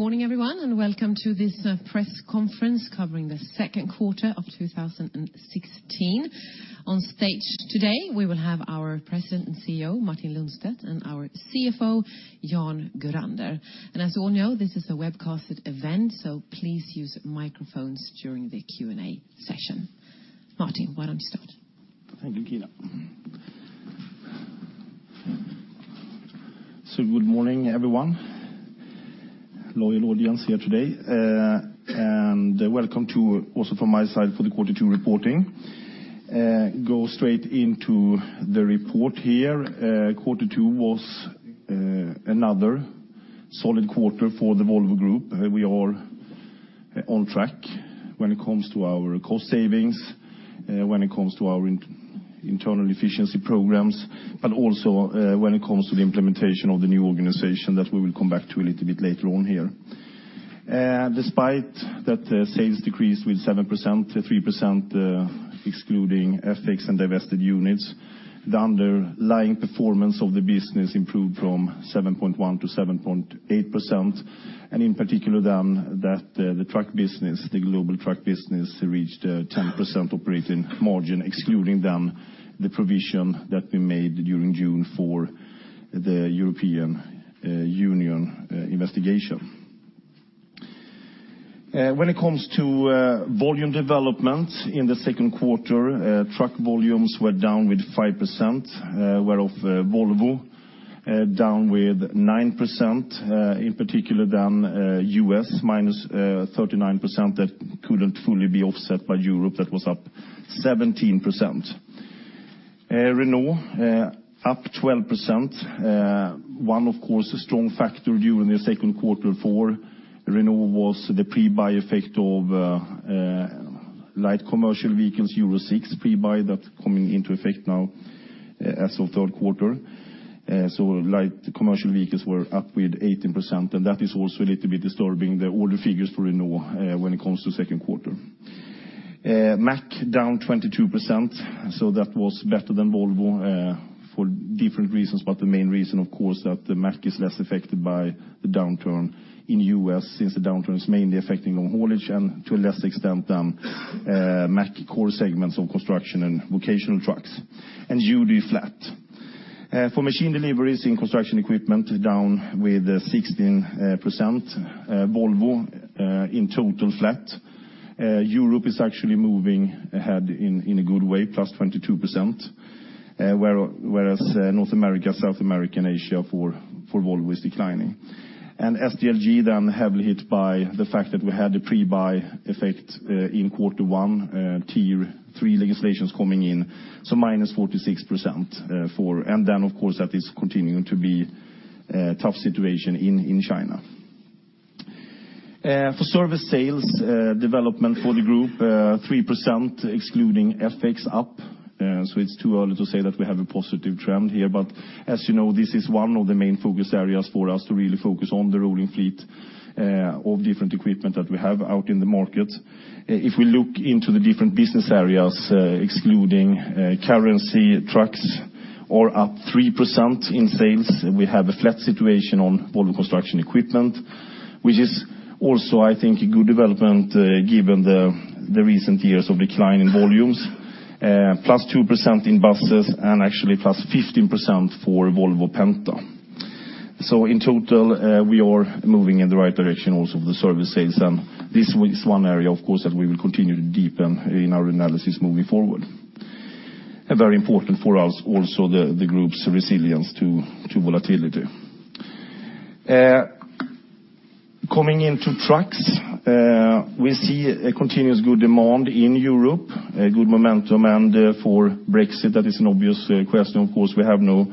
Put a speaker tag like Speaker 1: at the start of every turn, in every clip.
Speaker 1: Morning everyone, welcome to this press conference covering the second quarter of 2016. On stage today, we will have our President and CEO, Martin Lundstedt, and our CFO, Jan Gurander. As we all know, this is a webcasted event, so please use microphones during the Q&A session. Martin, why don't you start?
Speaker 2: Thank you, Gina. Good morning everyone. Loyal audience here today. Welcome also from my side for the quarter two reporting. Go straight into the report here. Quarter two was another solid quarter for the Volvo Group. We are on track when it comes to our cost savings, when it comes to our internal efficiency programs, but also when it comes to the implementation of the new organization that we will come back to a little bit later on here. Despite that sales decreased with 7%, 3% excluding FX and divested units, the underlying performance of the business improved from 7.1% to 7.8%. In particular, the global truck business reached 10% operating margin, excluding the provision that we made during June for the European Union investigation. When it comes to volume development in the second quarter, truck volumes were down with 5%, whereof Volvo down with 9%, in particular than U.S., -39% that couldn't fully be offset by Europe, that was up 17%. Renault up 12%. One, of course, strong factor during the second quarter for Renault was the pre-buy effect of light commercial vehicles, Euro 6 pre-buy, that coming into effect now as of third quarter. Light commercial vehicles were up with 18%, and that is also a little bit disturbing the order figures for Renault when it comes to second quarter. Mack down 22%, that was better than Volvo for different reasons, but the main reason, of course, that Mack is less affected by the downturn in U.S., since the downturn is mainly affecting long haulage and to a less extent Mack core segments of construction and vocational trucks. UD flat. For machine deliveries in construction equipment, down with 16%. Volvo in total flat. Europe is actually moving ahead in a good way, +22%, whereas North America, South America, and Asia for Volvo is declining. SDLG then heavily hit by the fact that we had a pre-buy effect in quarter one, Tier 3 legislations coming in, -46%. Of course, that is continuing to be a tough situation in China. For service sales development for the group, 3% excluding FX up. It's too early to say that we have a positive trend here, but as you know this is one of the main focus areas for us to really focus on the rolling fleet of different equipment that we have out in the market. If we look into the different business areas, excluding currency, trucks are up 3% in sales. We have a flat situation on Volvo Construction Equipment, which is also I think a good development given the recent years of decline in volumes. Plus 2% in buses and actually plus 15% for Volvo Penta. In total, we are moving in the right direction also with the service sales. This is one area, of course, that we will continue to deepen in our analysis moving forward. Very important for us also the Group's resilience to volatility. Coming into trucks, we see a continuous good demand in Europe, good momentum. For Brexit, that is an obvious question. Of course, we have no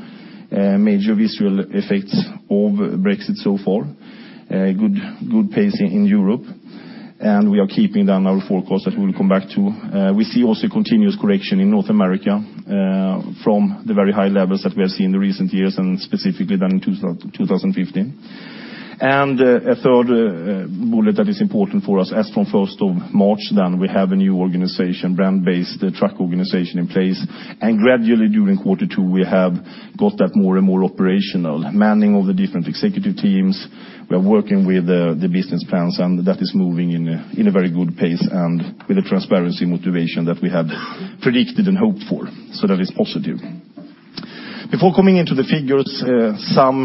Speaker 2: major visual effects of Brexit so far. Good pace in Europe. We are keeping down our forecast that we will come back to. We see also continuous correction in North America from the very high levels that we have seen in the recent years and specifically then in 2015. A third bullet that is important for us, as from 1st of March, we have a new organization, brand-based truck organization in place. Gradually during quarter two, we have got that more and more operational. Manning all the different executive teams. We are working with the business plans, and that is moving in a very good pace and with the transparency motivation that we had predicted and hoped for. That is positive. Before coming into the figures, some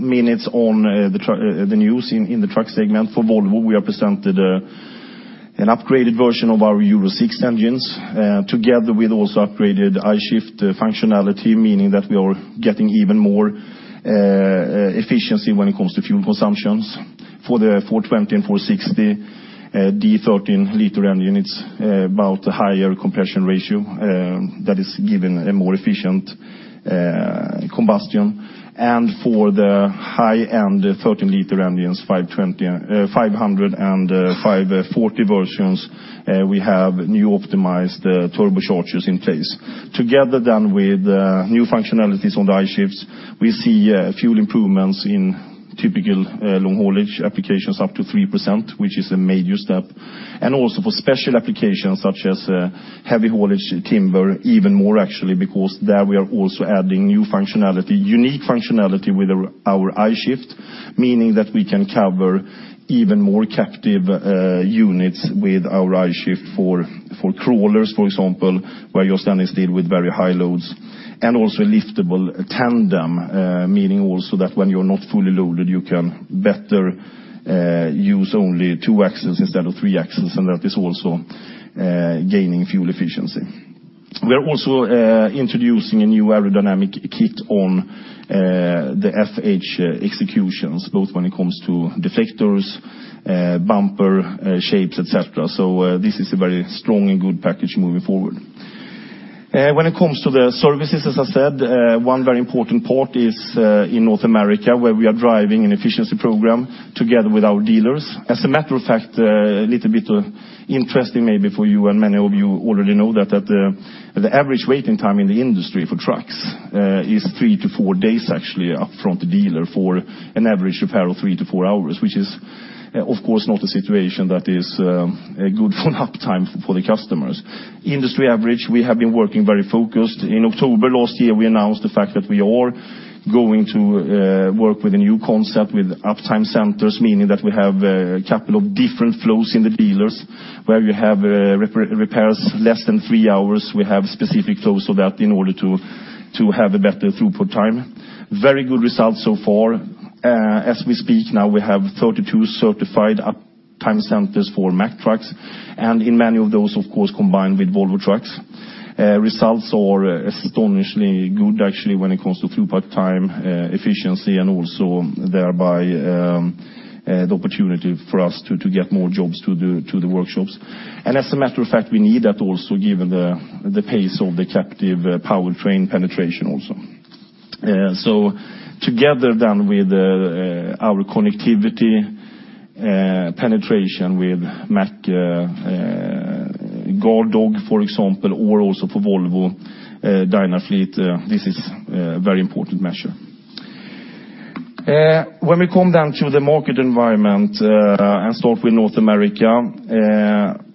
Speaker 2: minutes on the news in the truck segment for Volvo. We have presented an upgraded version of our Euro 6 engines, together with also upgraded I-Shift functionality, meaning that we are getting even more efficiency when it comes to fuel consumptions. For the 420 and 460 D13 liter engine, it's about higher compression ratio that is giving a more efficient combustion. For the high-end 13-liter engines, 500 and 540 versions, we have new optimized turbochargers in place. Together then with new functionalities on the I-Shifts, we see fuel improvements in typical long haulage applications up to 3%, which is a major step. Also for special applications such as heavy haulage timber, even more actually because there we are also adding new functionality, unique functionality with our I-Shift, meaning that we can cover even more captive units with our I-Shift for crawlers, for example, where you're standing still with very high loads and also liftable tandem, meaning also that when you're not fully loaded, you can better use only two axles instead of three axles, and that is also gaining fuel efficiency. We're also introducing a new aerodynamic kit on the FH executions, both when it comes to defectors, bumper shapes, et cetera. This is a very strong and good package moving forward. When it comes to the services, as I said, one very important part is in North America, where we are driving an efficiency program together with our dealers. As a matter of fact, a little bit interesting maybe for you, and many of you already know that the average waiting time in the industry for trucks is three to four days, actually, up front the dealer for an average repair of three to four hours, which is, of course, not a situation that is good for an uptime for the customers. Industry average, we have been working very focused. In October last year, we announced the fact that we are going to work with a new concept with uptime centers, meaning that we have a couple of different flows in the dealers where you have repairs less than three hours. We have specific flows for that in order to have a better throughput time. Very good results so far. As we speak now, we have 32 certified uptime centers for Mack Trucks, and in many of those, of course, combined with Volvo Trucks. Results are astonishingly good, actually, when it comes to throughput time, efficiency, and also thereby the opportunity for us to get more jobs to the workshops. As a matter of fact, we need that also given the pace of the captive powertrain penetration also. Together then with our connectivity penetration with Mack GuardDog, for example, or also for Volvo Dynafleet, this is a very important measure. When we come down to the market environment and start with North America,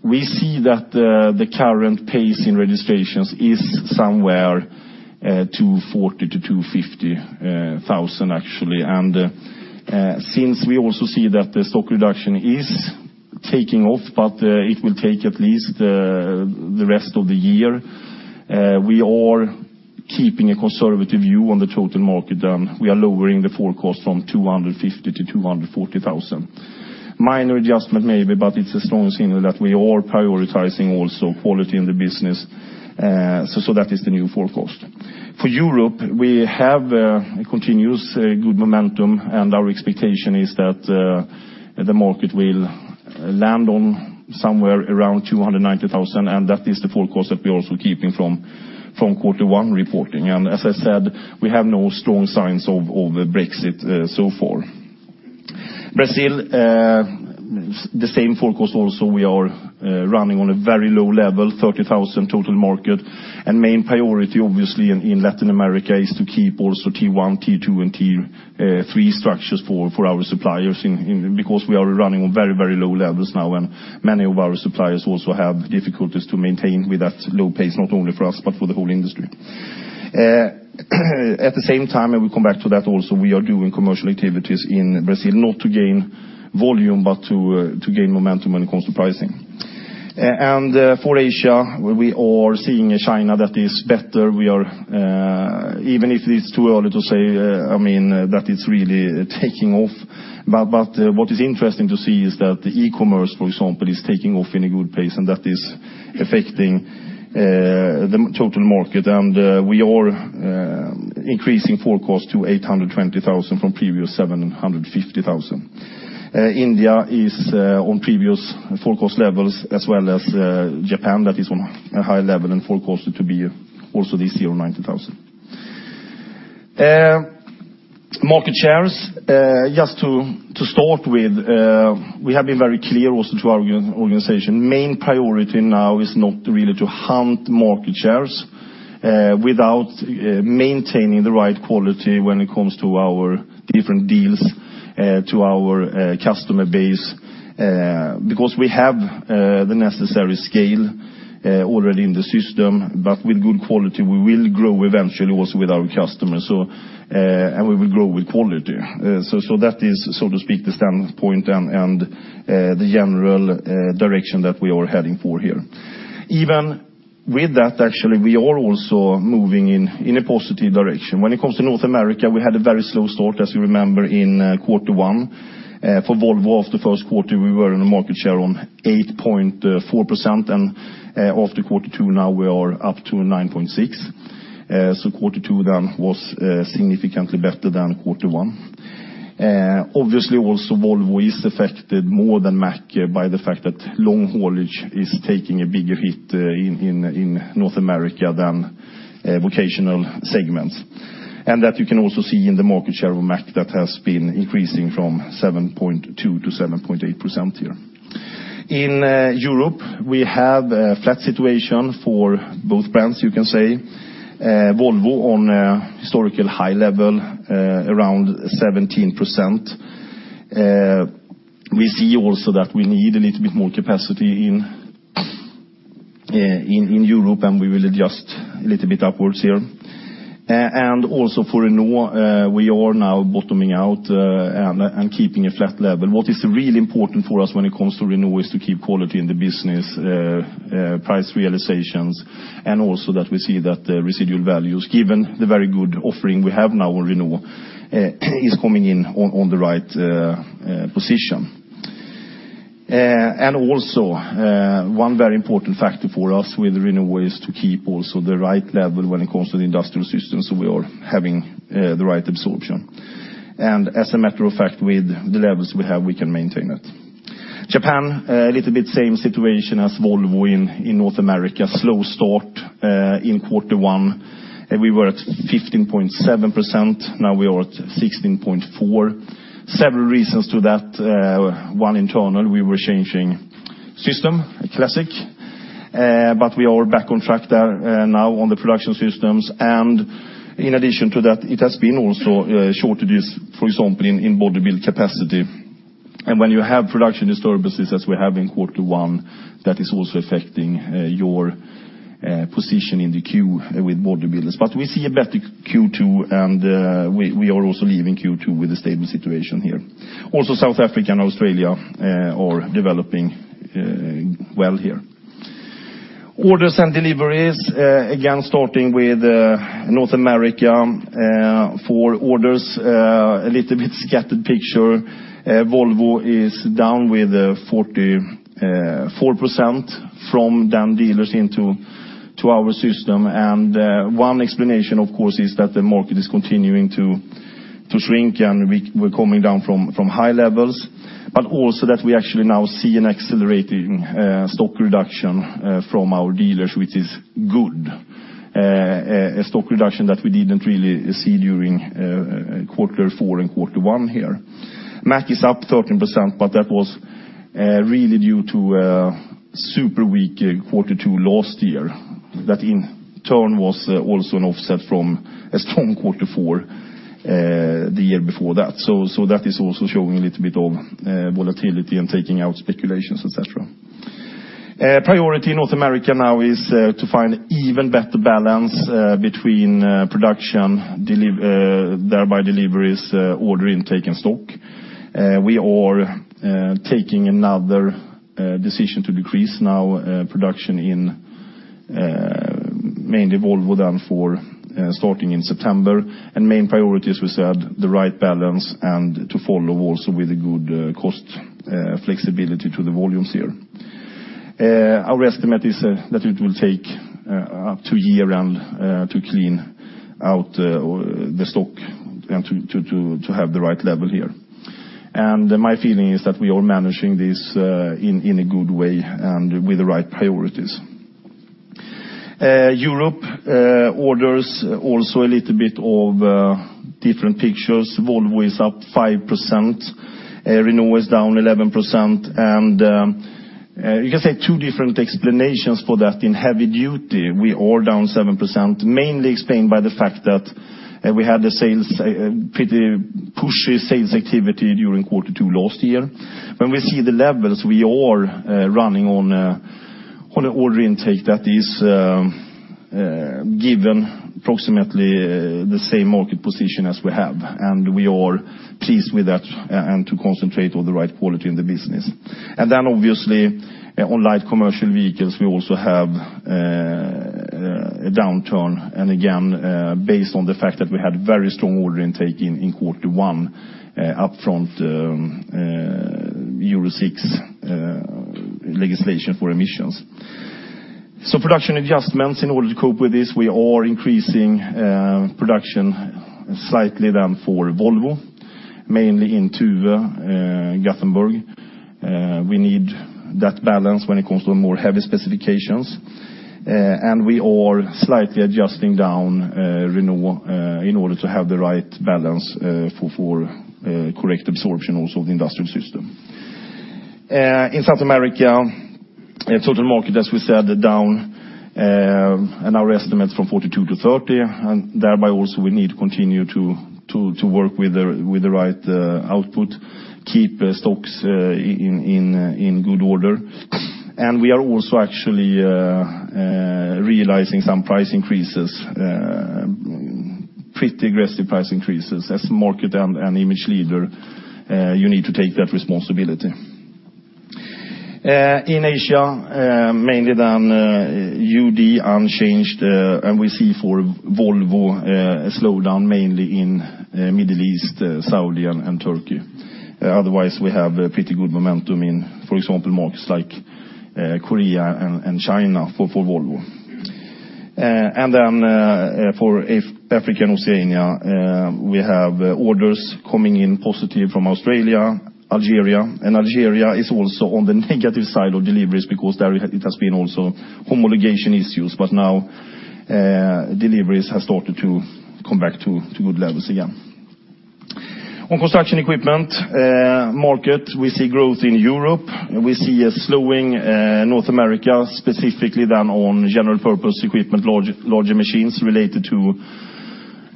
Speaker 2: we see that the current pace in registrations is somewhere 240,000-250,000, actually. Since we also see that the stock reduction is taking off, but it will take at least the rest of the year, we are keeping a conservative view on the total market. We are lowering the forecast from 250,000-240,000. Minor adjustment maybe, but it's a strong signal that we are prioritizing also quality in the business. That is the new forecast. For Europe, we have a continuous good momentum, and our expectation is that the market will land on somewhere around 290,000, and that is the forecast that we're also keeping from quarter one reporting. As I said, we have no strong signs of Brexit so far. Brazil, the same forecast also. We are running on a very low level, 30,000 total market. Main priority, obviously, in Latin America is to keep also tier 1, tier 2, and tier 3 structures for our suppliers because we are running on very low levels now, and many of our suppliers also have difficulties to maintain with that low pace, not only for us but for the whole industry. At the same time, and we'll come back to that also, we are doing commercial activities in Brazil, not to gain volume, but to gain momentum when it comes to pricing. For Asia, where we are seeing a China that is better, even if it's too early to say that it's really taking off. But what is interesting to see is that the e-commerce, for example, is taking off in a good pace, and that is affecting the total market. We are increasing forecast to 820,000 from previous 750,000. India is on previous forecast levels as well as Japan that is on a high level and forecasted to be also this year 90,000. Market shares, just to start with, we have been very clear also to our organization. Main priority now is not really to hunt market shares without maintaining the right quality when it comes to our different deals to our customer base because we have the necessary scale already in the system, but with good quality, we will grow eventually also with our customers, and we will grow with quality. That is, so to speak, the standpoint and the general direction that we are heading for here. Even with that, actually, we are also moving in a positive direction. When it comes to North America, we had a very slow start, as you remember, in quarter one. For Volvo, after the first quarter, we were in a market share on 8.4%, and after quarter two now we are up to 9.6%. Quarter two was significantly better than quarter one. Obviously, also Volvo is affected more than Mack by the fact that long haulage is taking a bigger hit in North America than vocational segments. That you can also see in the market share of Mack that has been increasing from 7.2% to 7.8% here. In Europe, we have a flat situation for both brands, you can say. Volvo on a historical high level, around 17%. We see also that we need a little bit more capacity in Europe, and we will adjust a little bit upwards here. Also for Renault, we are now bottoming out and keeping a flat level. What is really important for us when it comes to Renault is to keep quality in the business, price realizations, and also that we see that the residual values, given the very good offering we have now with Renault, is coming in on the right position. Also one very important factor for us with Renault is to keep also the right level when it comes to the industrial system so we are having the right absorption. As a matter of fact, with the levels we have, we can maintain it. Japan, a little bit same situation as Volvo in North America. Slow start in quarter one, we were at 15.7%, now we are at 16.4%. Several reasons to that. One internal, we were changing system, classic, but we are back on track there now on the production systems. In addition to that, it has been also shortages, for example, in body build capacity. When you have production disturbances, as we have in quarter one, that is also affecting your position in the queue with body builders. We see a better Q2, we are also leaving Q2 with a stable situation here. Also South Africa and Australia are developing well here. Orders and deliveries, again starting with North America. For orders, a little bit scattered picture. Volvo is down with 44% from then dealers into our system. One explanation, of course, is that the market is continuing to shrink, and we're coming down from high levels, but also that we actually now see an accelerating stock reduction from our dealers, which is good. A stock reduction that we didn't really see during quarter four and quarter one here. Mack is up 13%, that was really due to a super weak quarter two last year. That in turn was also an offset from a strong quarter four the year before that. That is also showing a little bit of volatility and taking out speculations, et cetera. Priority in North America now is to find even better balance between production, thereby deliveries, order intake, and stock. Main priority, as we said, the right balance and to follow also with a good cost flexibility to the volumes here. Our estimate is that it will take up to a year to clean out the stock and to have the right level here. My feeling is that we are managing this in a good way and with the right priorities. Europe orders also a little bit of different pictures. Volvo is up 5%, Renault is down 11%. You can say two different explanations for that. In heavy duty, we are down 7%, mainly explained by the fact that we had a pretty pushy sales activity during quarter two last year. When we see the levels we are running on order intake that is given approximately the same market position as we have, we are pleased with that and to concentrate on the right quality in the business. Then obviously on light commercial vehicles, we also have a downturn, and again, based on the fact that we had very strong order intake in quarter one up front Euro 6 legislation for emissions. Production adjustments in order to cope with this, we are increasing production slightly then for Volvo, mainly in Tuve, Gothenburg. We need that balance when it comes to more heavy specifications. We are slightly adjusting down Renault in order to have the right balance for correct absorption also of the industrial system. In South America, total market, as we said, down. Our estimate is from 42 to 30. Thereby also we need to continue to work with the right output, keep stocks in good order. We are also actually realizing some price increases, pretty aggressive price increases. As market and image leader, you need to take that responsibility. In Asia, mainly then UD unchanged. We see for Volvo a slowdown mainly in Middle East, Saudi, and Turkey. Otherwise, we have pretty good momentum in, for example, markets like Korea and China for Volvo. Then for Africa and Oceania, we have orders coming in positive from Australia, Algeria. Algeria is also on the negative side of deliveries because there it has been also homologation issues, but now deliveries have started to come back to good levels again. On construction equipment market, we see growth in Europe. We see a slowing North America, specifically then on general purpose equipment, larger machines related to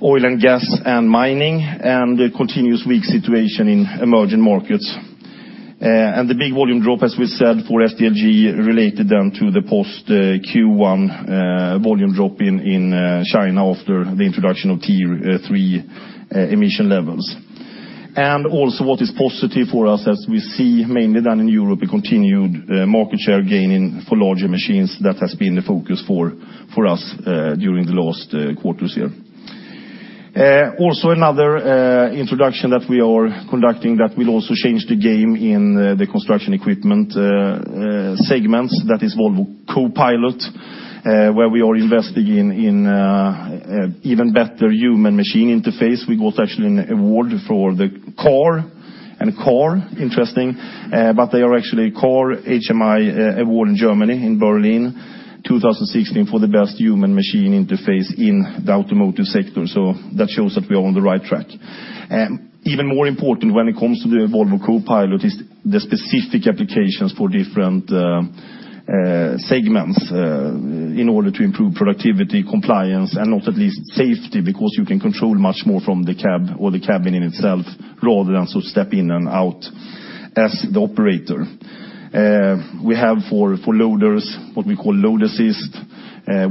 Speaker 2: oil and gas and mining, a continuous weak situation in emerging markets. The big volume drop, as we said, for SDLG related then to the post Q1 volume drop in China after the introduction of Tier 3 emission levels. Also what is positive for us as we see mainly down in Europe, a continued market share gaining for larger machines. That has been the focus for us during the last quarters here. Also another introduction that we are conducting that will also change the game in the construction equipment segments. That is Volvo Co-Pilot, where we are investing in even better human machine interface. We got actually an award for the core and core, interesting, but they are actually Car HMI Award in Germany, in Berlin 2016, for the best human machine interface in the automotive sector. That shows that we are on the right track. Even more important when it comes to the Volvo Co-Pilot is the specific applications for different segments, in order to improve productivity, compliance and not at least safety, because you can control much more from the cab or the cabin in itself, rather than to step in and out as the operator. We have for loaders, what we call Load Assist,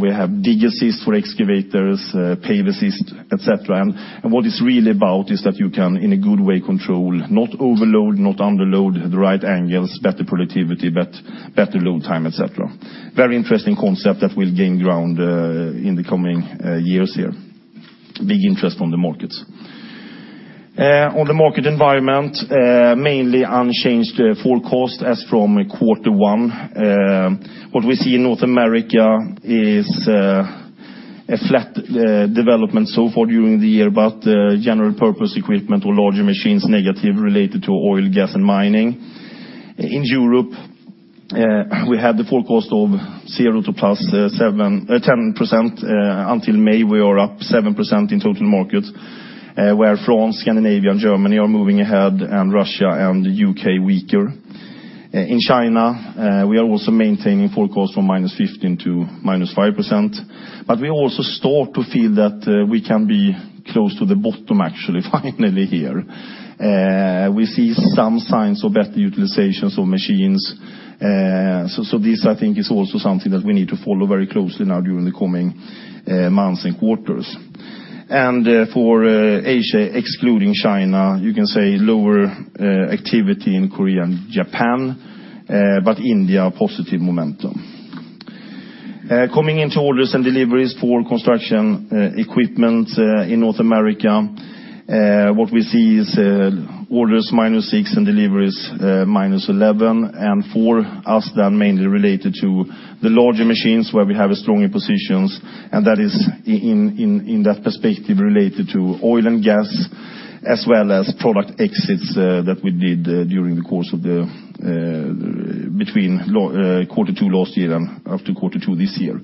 Speaker 2: we have Dig Assist for excavators, Pave Assist, et cetera. What it's really about is that you can, in a good way, control not overload, not under load, the right angles, better productivity, better load time, et cetera. Very interesting concept that will gain ground in the coming years here. Big interest from the markets. On the market environment, mainly unchanged forecast as from Q1. What we see in North America is a flat development so far during the year, but general purpose equipment or larger machines, negative related to oil, gas and mining. In Europe, we had the forecast of 0% to +10%. Until May we are up 7% in total market, where France, Scandinavia and Germany are moving ahead and Russia and U.K. weaker. In China, we are also maintaining forecast from -15% to -5%, but we also start to feel that we can be close to the bottom actually finally here. We see some signs of better utilizations of machines. This I think is also something that we need to follow very closely now during the coming months and quarters. For Asia, excluding China, you can say lower activity in Korea and Japan, but India, positive momentum. Coming into orders and deliveries for construction equipment in North America, what we see is orders -6% and deliveries -11%. For us they are mainly related to the larger machines where we have stronger positions, and that is in that perspective related to oil and gas, as well as product exits that we did between Q2 last year and after Q2 this year.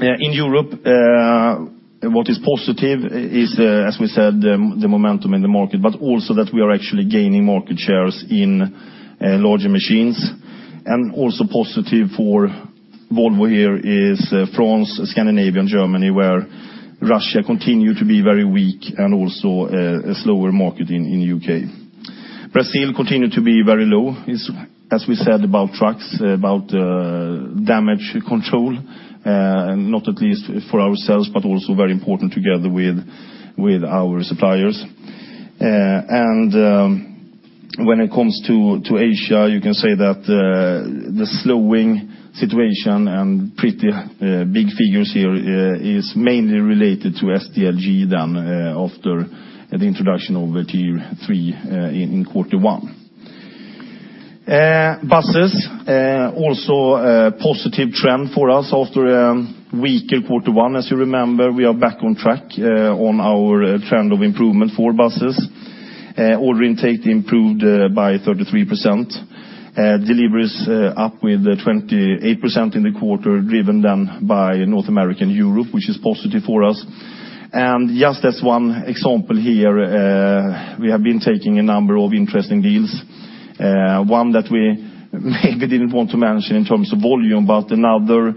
Speaker 2: In Europe, what is positive is, as we said, the momentum in the market, but also that we are actually gaining market shares in larger machines. Also positive for Volvo here is France, Scandinavia and Germany, where Russia continue to be very weak and also a slower market in U.K. Brazil continue to be very low, as we said about trucks, about damage control, and not at least for ourselves, but also very important together with our suppliers. When it comes to Asia, you can say that the slowing situation and pretty big figures here is mainly related to SDLG then after the introduction of Tier 3 in Q1. Buses, also a positive trend for us after a weaker Q1. As you remember, we are back on track on our trend of improvement for buses. Order intake improved by 33%, deliveries up with 28% in the quarter, driven down by North America and Europe, which is positive for us. Just as one example here, we have been taking a number of interesting deals. One that we maybe didn't want to mention in terms of volume, but another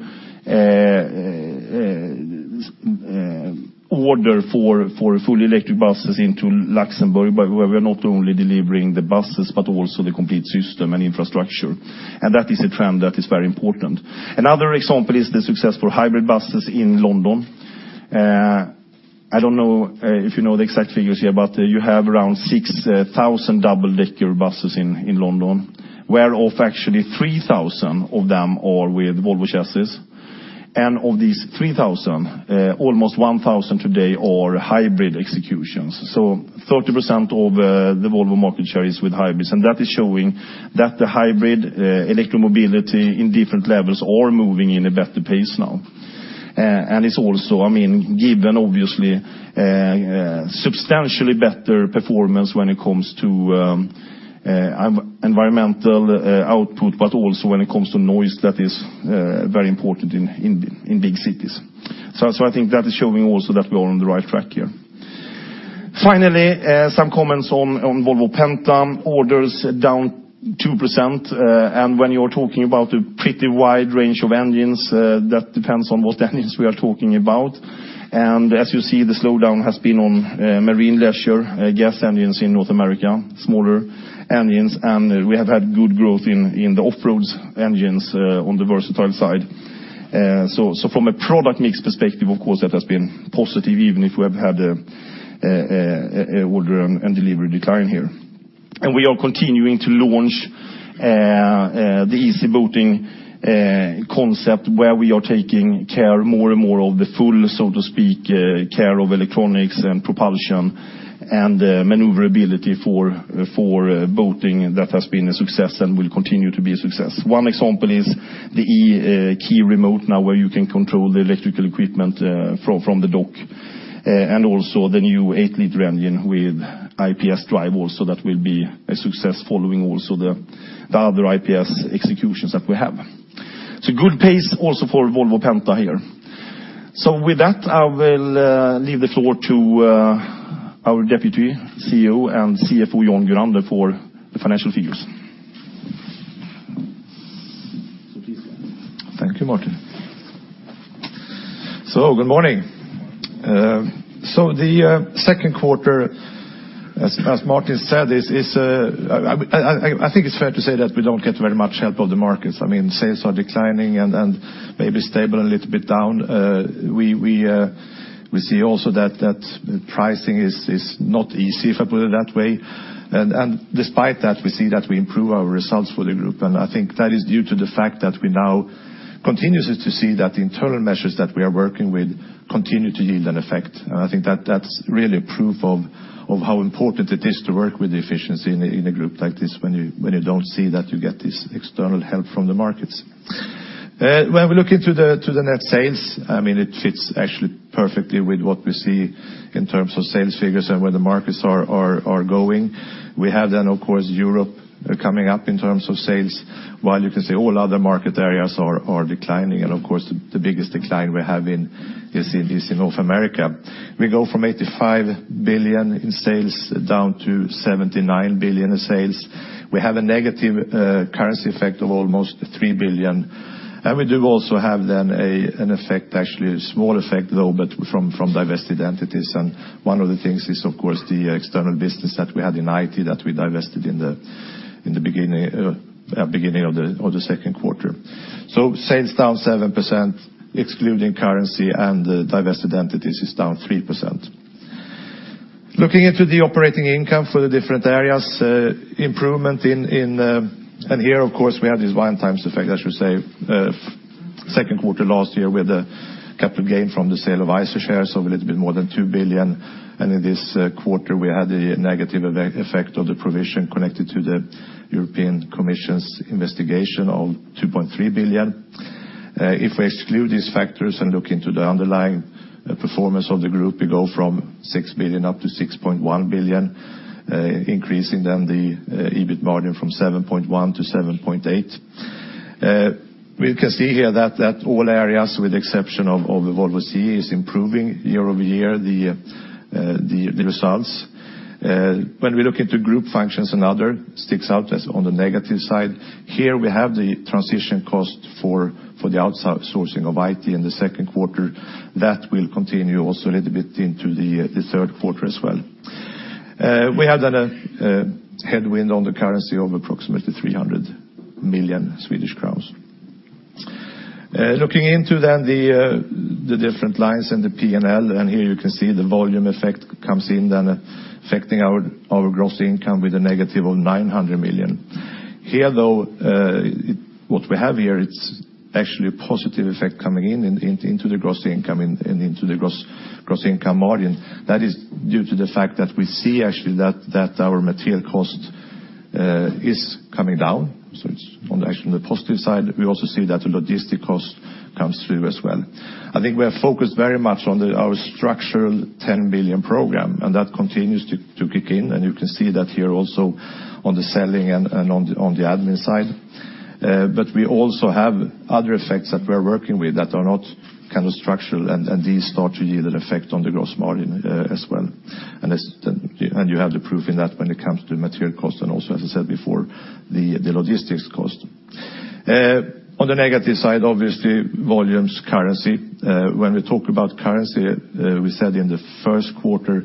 Speaker 2: order for fully electric buses into Luxembourg, but where we are not only delivering the buses, but also the complete system and infrastructure. That is a trend that is very important. Another example is the successful hybrid buses in London. I don't know if you know the exact figures here, but you have around 6,000 double-decker buses in London, where of actually 3,000 of them are with Volvo chassis. Of these 3,000, almost 1,000 today are hybrid executions. 30% of the Volvo market share is with hybrids, and that is showing that the hybrid electric mobility in different levels are moving in a better pace now. It's also, given obviously, substantially better performance when it comes to environmental output, but also when it comes to noise that is very important in big cities. I think that is showing also that we are on the right track here. Finally, some comments on Volvo Penta. Orders down 2%, and when you are talking about a pretty wide range of engines, that depends on what engines we are talking about. As you see, the slowdown has been on marine leisure gas engines in North America, smaller engines. We have had good growth in the off-roads engines on the versatile side. From a product mix perspective, of course that has been positive, even if we have had an order and delivery decline here. We are continuing to launch, the Easy Boating concept where we are taking care more and more of the full, so to speak, care of electronics and propulsion, and maneuverability for boating. That has been a success and will continue to be a success. One example is the e-Key Remote now where you can control the electrical equipment from the dock. Also the new eight-liter engine with IPS drive also. That will be a success following also the other IPS executions that we have. Good pace also for Volvo Penta here. With that, I will leave the floor to our Deputy CEO and CFO, Jan Gurander, for the financial figures.
Speaker 3: Thank you, Martin. Good morning. The second quarter, as Martin said, I think it's fair to say that we don't get very much help of the markets. I mean, sales are declining and maybe stable and a little bit down. We see also that pricing is not easy, if I put it that way. Despite that, we see that we improve our results for the group. I think that is due to the fact that we now continuously see that the internal measures that we are working with continue to yield an effect. I think that's really proof of how important it is to work with efficiency in a group like this when you don't see that you get this external help from the markets. When we look into the net sales, it fits actually perfectly with what we see in terms of sales figures and where the markets are going. We have, of course, Europe coming up in terms of sales, while you can see all other market areas are declining. Of course, the biggest decline we have in is in North America. We go from 85 billion in sales down to 79 billion in sales. We have a negative currency effect of almost 3 billion. We do also have an effect, actually a small effect though, but from divested entities. One of the things is, of course, the external business that we had in IT that we divested in the beginning of the second quarter. Sales down 7%, excluding currency and divested entities is down 3%. Looking into the operating income for the different areas, here, of course, we have this one-time effect, I should say, second quarter last year with the capital gain from the sale of Eicher share, so a little bit more than 2 billion. In this quarter, we had the negative effect of the provision connected to the European Commission's investigation of 2.3 billion. If we exclude these factors and look into the underlying performance of the group, we go from 6 billion up to 6.1 billion, increasing the EBIT margin from 7.1% to 7.8%. We can see here that all areas, with the exception of the Volvo CE, is improving year-over-year, the results. When we look into group functions and other, sticks out as on the negative side. Here we have the transition cost for the outsourcing of IT in the second quarter. That will continue also a little bit into the third quarter as well. We had a headwind on the currency of approximately 300 million Swedish crowns. Looking into the different lines and the P&L, here you can see the volume effect comes in affecting our gross income with a negative of 900 million. Here though, what we have here, it's actually a positive effect coming into the gross income and into the gross income margin. That is due to the fact that we see actually that our material cost is coming down. It's on the positive side. We also see that the logistic cost comes through as well. I think we are focused very much on our structural 10 billion program, that continues to kick in. You can see that here also on the selling and on the admin side. We also have other effects that we're working with that are not kind of structural, these start to yield an effect on the gross margin as well. You have the proof in that when it comes to material cost and also, as I said before, the logistics cost. On the negative side, obviously, volumes, currency. When we talk about currency, we said in the first quarter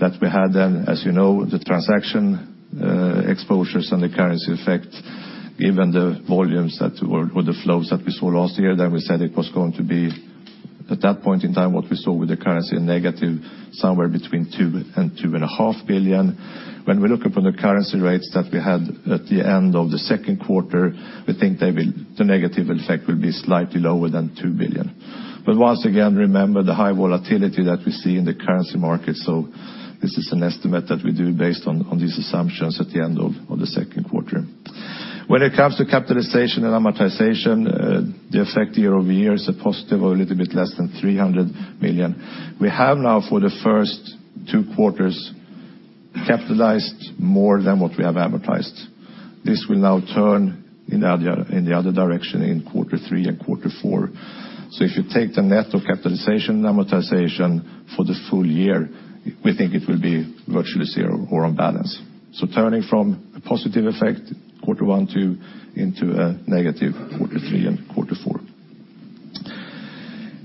Speaker 3: that we had, as you know, the transaction exposures and the currency effect, given the volumes or the flows that we saw last year, we said it was going to be, at that point in time, what we saw with the currency, a negative somewhere between 2 billion-2.5 billion. When we look upon the currency rates that we had at the end of the second quarter, we think the negative effect will be slightly lower than 2 billion. Once again, remember the high volatility that we see in the currency market. This is an estimate that we do based on these assumptions at the end of the second quarter. When it comes to capitalization and amortization, the effect year-over-year is a positive or a little bit less than 300 million. We have now for the first two quarters capitalized more than what we have amortized. This will now turn in the other direction in quarter three and quarter four. If you take the net of capitalization and amortization for the full year, we think it will be virtually zero or on balance. Turning from a positive effect quarter one into a negative quarter three and quarter four.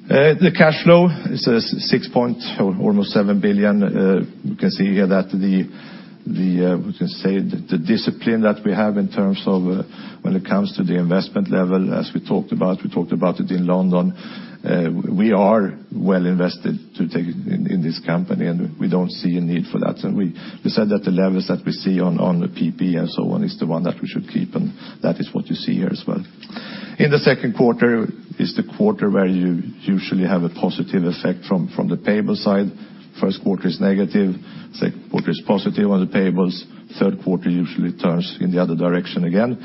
Speaker 3: The cash flow is 6 point, almost 7 billion. You can see here that the discipline that we have in terms of when it comes to the investment level, as we talked about, we talked about it in London. We are well invested to take in this company, and we don't see a need for that. We said that the levels that we see on the PP&E and so on is the one that we should keep, and that is what you see here as well. In the second quarter is the quarter where you usually have a positive effect from the payable side. First quarter is negative, second quarter is positive on the payables. Third quarter usually turns in the other direction again.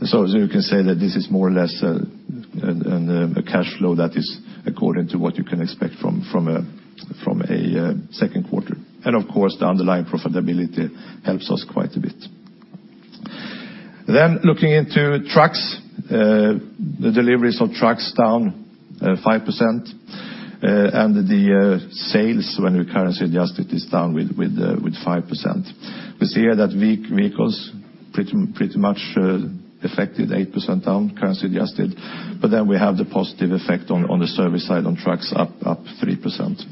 Speaker 3: You can say that this is more or less a cash flow that is according to what you can expect from a second quarter. Of course, the underlying profitability helps us quite a bit. Looking into trucks, the deliveries of trucks down 5%, and the sales when we currency-adjust it is down with 5%. We see here that vehicles pretty much affected 8% down currency adjusted, but then we have the positive effect on the service side on trucks up 3%.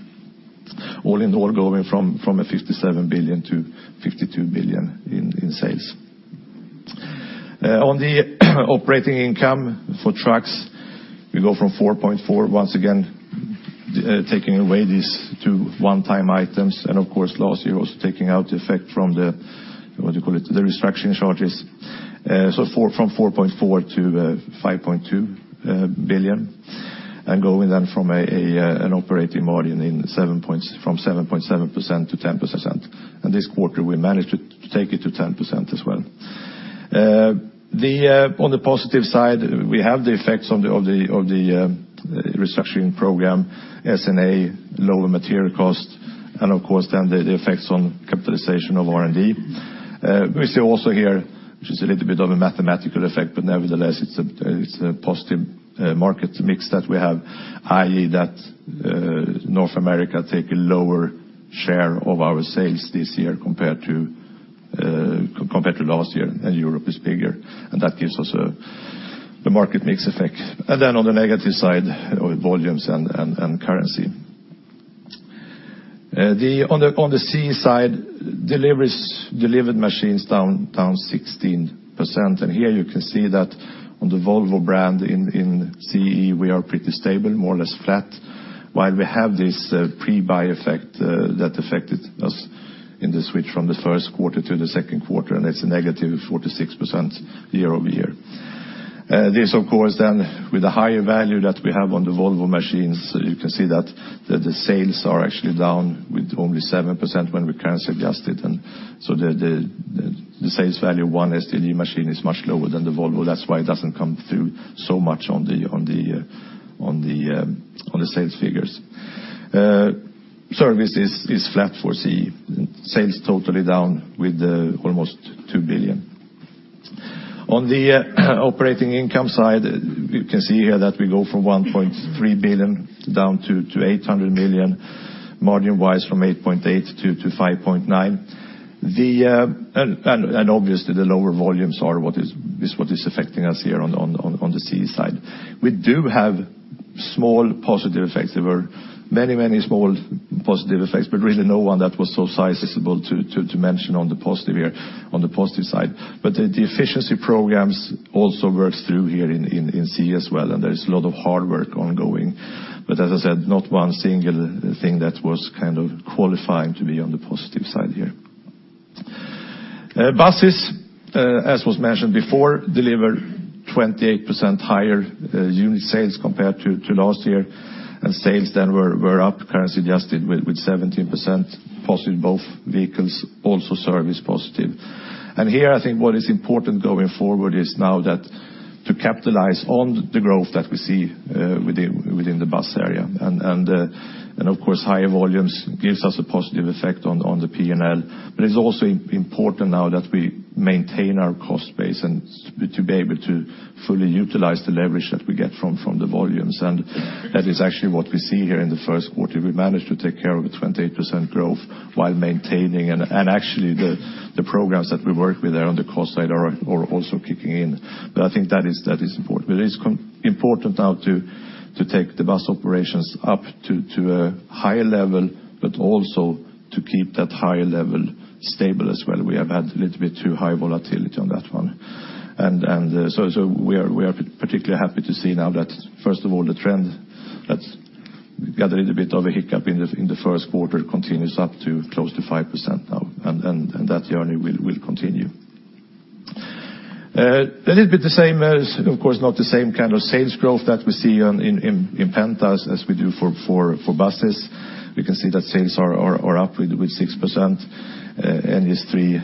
Speaker 3: All in all, going from 57 billion to 52 billion in sales. On the operating income for trucks, we go from 4.4 billion, once again, taking away these two one-time items and of course last year also taking out the effect from the restructuring charges. From 4.4 billion to 5.2 billion, and going then from an operating margin from 7.7% to 10%. This quarter we managed to take it to 10% as well. On the positive side, we have the effects of the restructuring program, SG&A, lower material cost, and of course then the effects on capitalization of R&D. We see also here, which is a little bit of a mathematical effect, nevertheless, it's a positive market mix that we have, i.e., that North America take a lower share of our sales this year compared to last year, and Europe is bigger, and that gives us the market mix effect. On the negative side, volumes and currency. On the CE side, delivered machines down 16%. Here you can see that on the Volvo brand in CE, we are pretty stable, more or less flat, while we have this pre-buy effect that affected us in the switch from the first quarter to the second quarter, and it's a negative 46% year-over-year. This, of course, with the higher value that we have on the Volvo machines, you can see that the sales are actually down with only 7% when we currency adjust it. The sales value 1 SDLG machine is much lower than the Volvo. That's why it doesn't come through so much on the sales figures. Service is flat for CE. Sales totally down with almost 2 billion. On the operating income side, you can see here that we go from 1.3 billion down to 800 million, margin-wise from 8.8% to 5.9%. Obviously the lower volumes are what is affecting us here on the CE side. We do have small positive effects. There were many, many small positive effects, but really no one that was so sizable to mention on the positive side. The efficiency programs also works through here in CE as well. There is a lot of hard work ongoing. As I said, not one single thing that was qualifying to be on the positive side here. Buses, as was mentioned before, delivered 28% higher unit sales compared to last year. Sales then were up currency adjusted with 17%, positive both vehicles, also service positive. Here I think what is important going forward is now that to capitalize on the growth that we see within the bus area. Of course, higher volumes gives us a positive effect on the P&L. It's also important now that we maintain our cost base and to be able to fully utilize the leverage that we get from the volumes. That is actually what we see here in the first quarter. We managed to take care of a 28% growth while maintaining. Actually the programs that we work with there on the cost side are also kicking in. I think that is important. It is important now to take the bus operations up to a higher level, but also to keep that higher level stable as well. We have had a little bit too high volatility on that one. So we are particularly happy to see now that first of all, the trend that got a little bit of a hiccup in the first quarter continues up to close to 5% now. That journey will continue. A little bit the same as, of course, not the same kind of sales growth that we see in Penta as we do for buses. We can see that sales are up with 6%. History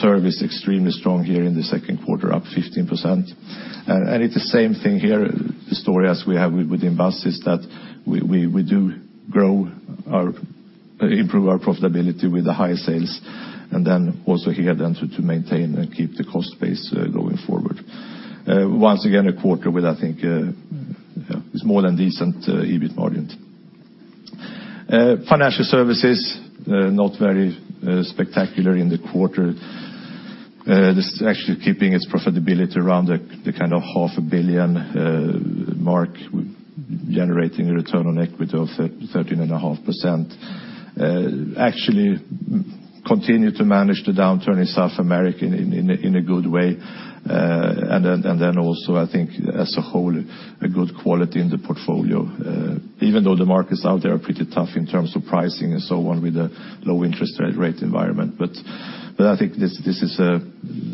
Speaker 3: service extremely strong here in the second quarter, up 15%. It's the same thing here, the story as we have within buses, that we do improve our profitability with the higher sales, then also here then to maintain and keep the cost base going forward. Once again, a quarter with, I think, a more than decent EBIT margin. Financial services, not very spectacular in the quarter. This is actually keeping its profitability around the half a billion SEK mark, generating a return on equity of 13.5%. Actually continue to manage the downturn in South America in a good way. Also I think as a whole, a good quality in the portfolio. Even though the markets out there are pretty tough in terms of pricing and so on with the low interest rate environment. I think this is a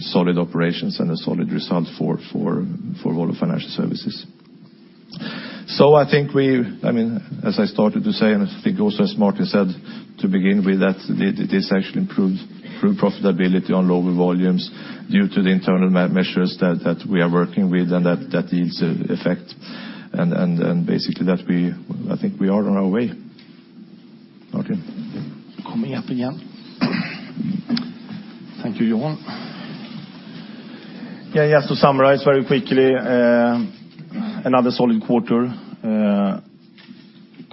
Speaker 3: solid operations and a solid result for all the financial services. I think as I started to say, and I think also as Martin Lundstedt said to begin with, that it is actually improved through profitability on lower volumes due to the internal measures that we are working with and that yields effect, and basically that I think we are on our way. Martin Lundstedt?
Speaker 2: Coming up again. Thank you, Johan. Just to summarize very quickly, another solid quarter.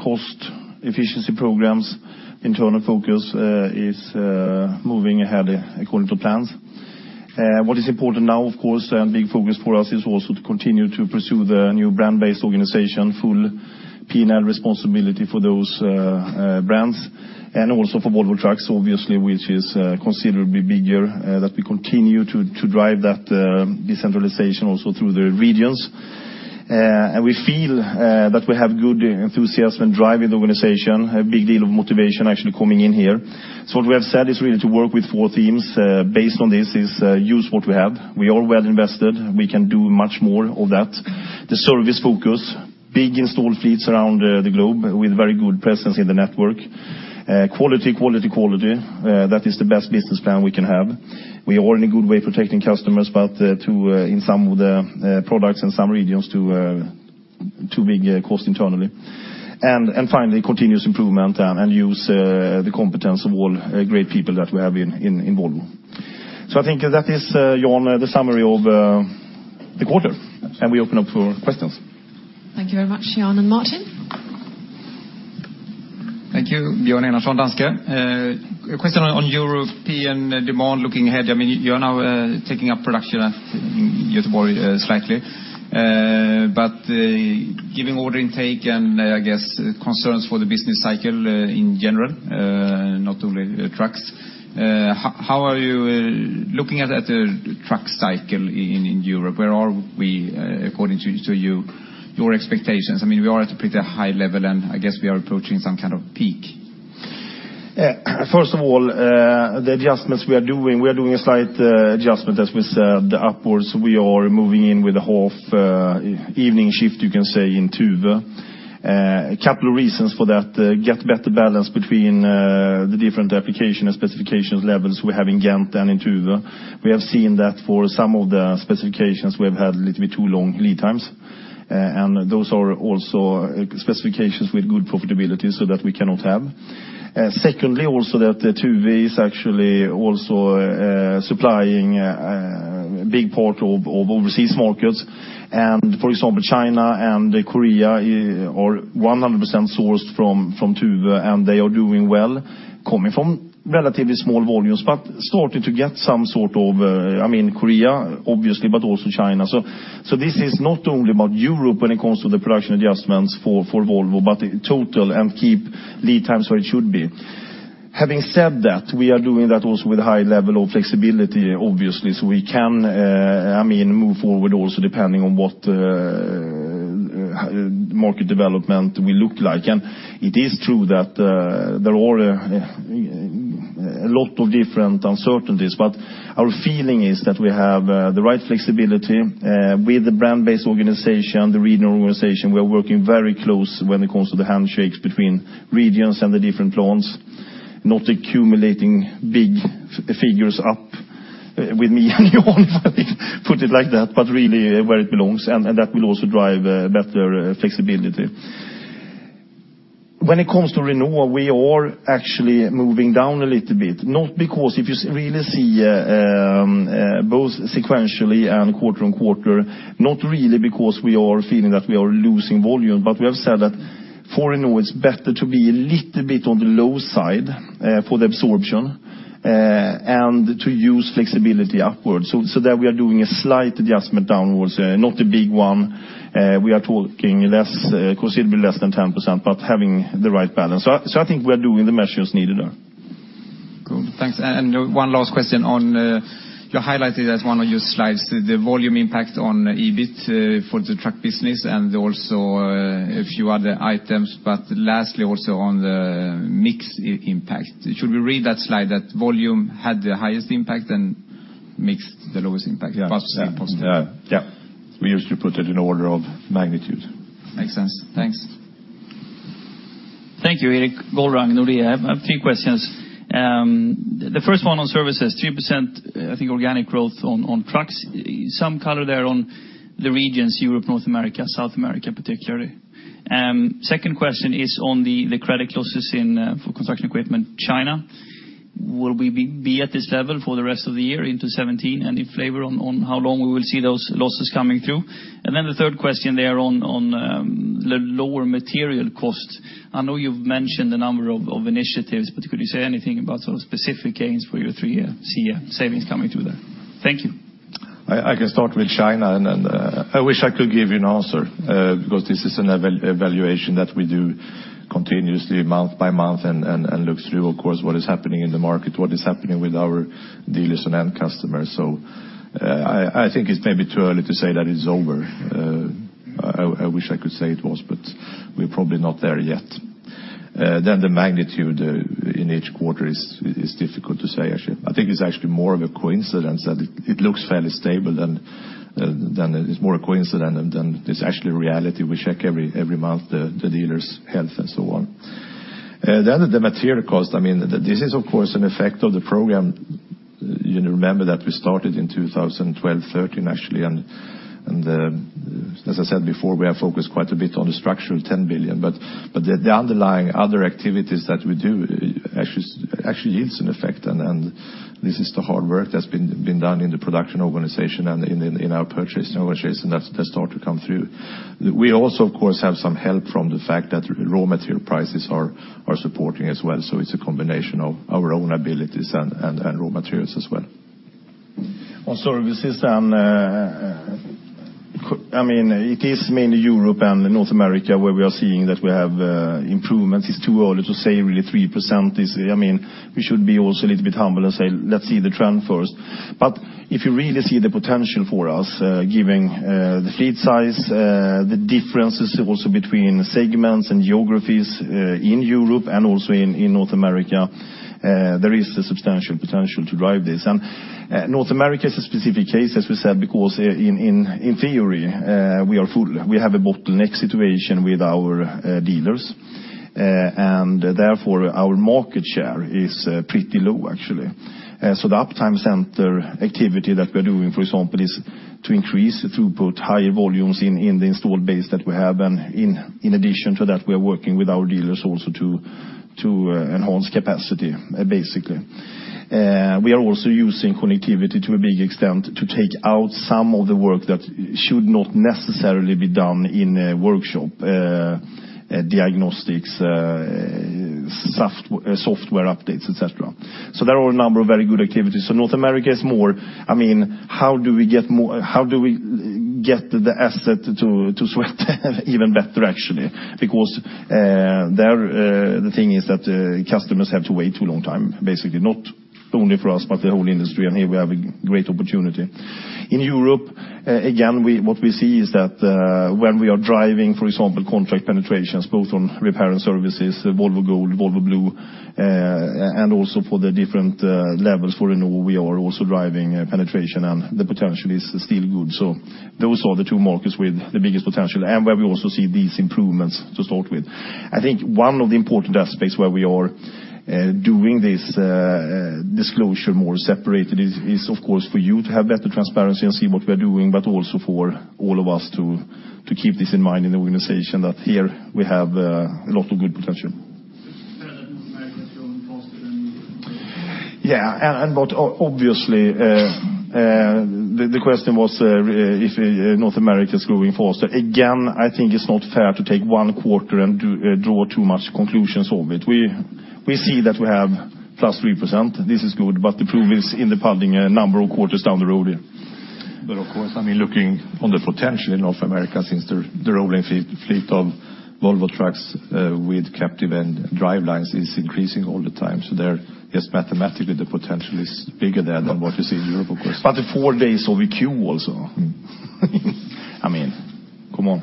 Speaker 2: Cost efficiency programs, internal focus is moving ahead according to plans. What is important now, of course, and big focus for us is also to continue to pursue the new brand-based organization, full P&L responsibility for those brands and also for Volvo Trucks, obviously, which is considerably bigger, that we continue to drive that decentralization also through the regions. We feel that we have good enthusiasm and drive in the organization, a big deal of motivation actually coming in here. What we have said is really to work with four themes. Based on this is use what we have. We are well invested. We can do much more of that. The service focus, big installed fleets around the globe with very good presence in the network. Quality, quality. That is the best business plan we can have. We are in a good way protecting customers, but in some of the products, in some regions, too big a cost internally. Finally, continuous improvement and use the competence of all great people that we have in Volvo. I think that is, Johan, the summary of the quarter, and we open up for questions.
Speaker 4: Thank you very much, Johan and Martin Lundstedt.
Speaker 5: Thank you. Björn Enarson, Danske. A question on European demand looking ahead. You are now taking up production at Gothenburg slightly. Given order intake and, I guess, concerns for the business cycle in general, not only trucks, how are you looking at the truck cycle in Europe? Where are we, according to you, your expectations? We are at a pretty high level, and I guess we are approaching some kind of peak.
Speaker 2: First of all, the adjustments we are doing, a slight adjustment, as we said, upwards. We are moving in with a half evening shift, you can say, in Tuve. A couple of reasons for that. Get better balance between the different application and specifications levels we have in Ghent and in Tuve. We have seen that for some of the specifications, we have had a little bit too long lead times, and those are also specifications with good profitability, so that we cannot have. Secondly, also that Tuve is actually also supplying a big part of overseas markets. For example, China and Korea are 100% sourced from Tuve, and they are doing well, coming from relatively small volumes, but starting to get some sort of Korea, obviously, but also China. This is not only about Europe when it comes to the production adjustments for Volvo, but total and keep lead times where it should be. Having said that, we are doing that also with a high level of flexibility, obviously. We can move forward also depending on what market development will look like. It is true that there are a lot of different uncertainties, but our feeling is that we have the right flexibility with the brand-based organization, the regional organization. We are working very close when it comes to the handshakes between regions and the different plants, not accumulating big figures up with me and Johan, put it like that, but really where it belongs, and that will also drive better flexibility. When it comes to Renault, we are actually moving down a little bit, not because if you really see both sequentially and quarter on quarter, not really because we are feeling that we are losing volume, but we have said that for Renault, it's better to be a little bit on the low side for the absorption and to use flexibility upwards. There we are doing a slight adjustment downwards, not a big one. We are talking considerably less than 10%, but having the right balance. I think we are doing the measures needed there.
Speaker 5: Thanks. One last question on, you highlighted as one of your slides, the volume impact on EBIT for the truck business and also a few other items. Lastly, also on the mix impact. Should we read that slide that volume had the highest impact and mix the lowest impact?
Speaker 3: Yes.
Speaker 5: Possibly?
Speaker 3: Yeah. We used to put it in order of magnitude.
Speaker 5: Makes sense. Thanks.
Speaker 6: Thank you, Erik. Kristian Nordea. I have three questions. The first one on services, 3%, I think, organic growth on trucks. Some color there on the regions, Europe, North America, South America, particularly. Second question is on the credit losses for construction equipment, China. Will we be at this level for the rest of the year into 2017? On how long we will see those losses coming through? The third question there on the lower material costs. I know you've mentioned a number of initiatives, could you say anything about specific gains for your three-year savings coming through there? Thank you.
Speaker 3: I can start with China. I wish I could give you an answer, because this is an evaluation that we do continuously month by month and look through, of course, what is happening in the market, what is happening with our dealers and end customers. I think it's maybe too early to say that it's over. I wish I could say it was, but we're probably not there yet. The magnitude in each quarter is difficult to say, actually. I think it's actually more of a coincidence that it looks fairly stable. It's more a coincidence than it's actually reality. We check every month the dealer's health and so on. The material cost. This is, of course, an effect of the program. You remember that we started in 2012, 2013, actually. As I said before, we have focused quite a bit on the structural 10 billion. The underlying other activities that we do actually yields an effect. This is the hard work that's been done in the production organization and in our purchasing organization, that start to come through. We also, of course, have some help from the fact that raw material prices are supporting as well. It's a combination of our own abilities and raw materials as well.
Speaker 2: On services, it is mainly Europe and North America where we are seeing that we have improvements. It's too early to say really 3%. We should be also a little bit humble and say, let's see the trend first. If you really see the potential for us, given the fleet size, the differences also between segments and geographies in Europe and also in North America, there is a substantial potential to drive this. North America is a specific case, as we said, because in theory, we have a bottleneck situation with our dealers. Therefore, our market share is pretty low, actually. The Uptime Center activity that we're doing, for example, is to increase throughput, higher volumes in the installed base that we have. In addition to that, we are working with our dealers also to enhance capacity, basically. We are also using connectivity to a big extent to take out some of the work that should not necessarily be done in a workshop, diagnostics, software updates, et cetera. There are a number of very good activities. North America is more, how do we get the asset to sweat even better, actually? There, the thing is that customers have to wait too long time, basically. Not only for us, but the whole industry. Here we have a great opportunity. In Europe, again, what we see is that when we are driving, for example, contract penetrations, both on repair and services, Volvo Gold, Volvo Blue, and also for the different levels for Renault, we are also driving penetration. The potential is still good. Those are the two markets with the biggest potential and where we also see these improvements to start with. I think one of the important aspects where we are doing this disclosure more separated is, of course, for you to have better transparency and see what we are doing, but also for all of us to keep this in mind in the organization, that here we have a lot of good potential.
Speaker 6: Is North America growing faster than Europe?
Speaker 2: Yeah. Obviously, the question was if North America is growing faster. Again, I think it's not fair to take one quarter and draw too much conclusions of it. We see that we have plus 3%. This is good, but the proof is in the pudding a number of quarters down the road.
Speaker 3: Of course, looking on the potential in North America since the rolling fleet of Volvo Trucks with captive and drivelines is increasing all the time. There, just mathematically, the potential is bigger there than what you see in Europe, of course.
Speaker 2: In four days we Q also. I mean, come on.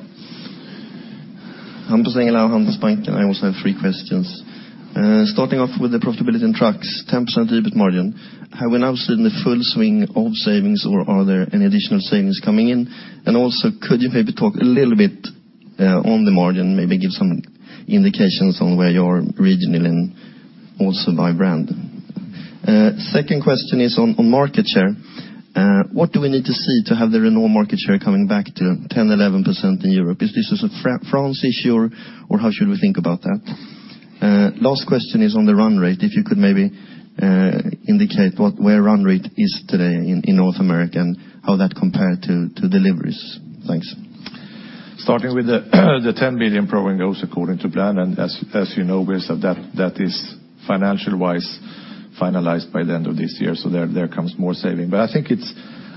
Speaker 7: Hampus Engellau, Handelsbanken. I also have three questions. Starting off with the profitability in trucks, 10% EBIT margin. Have we now seen the full swing of savings, or are there any additional savings coming in? Could you maybe talk a little bit on the margin, maybe give some indications on where you are regionally and also by brand? Second question is on market share. What do we need to see to have the Renault market share coming back to 10, 11% in Europe? Is this a France issue or how should we think about that? Last question is on the run rate. If you could maybe indicate where run rate is today in North America and how that compare to deliveries. Thanks.
Speaker 3: Starting with the 10 billion program goes according to plan, as you know, that is financial-wise finalized by the end of this year, there comes more saving.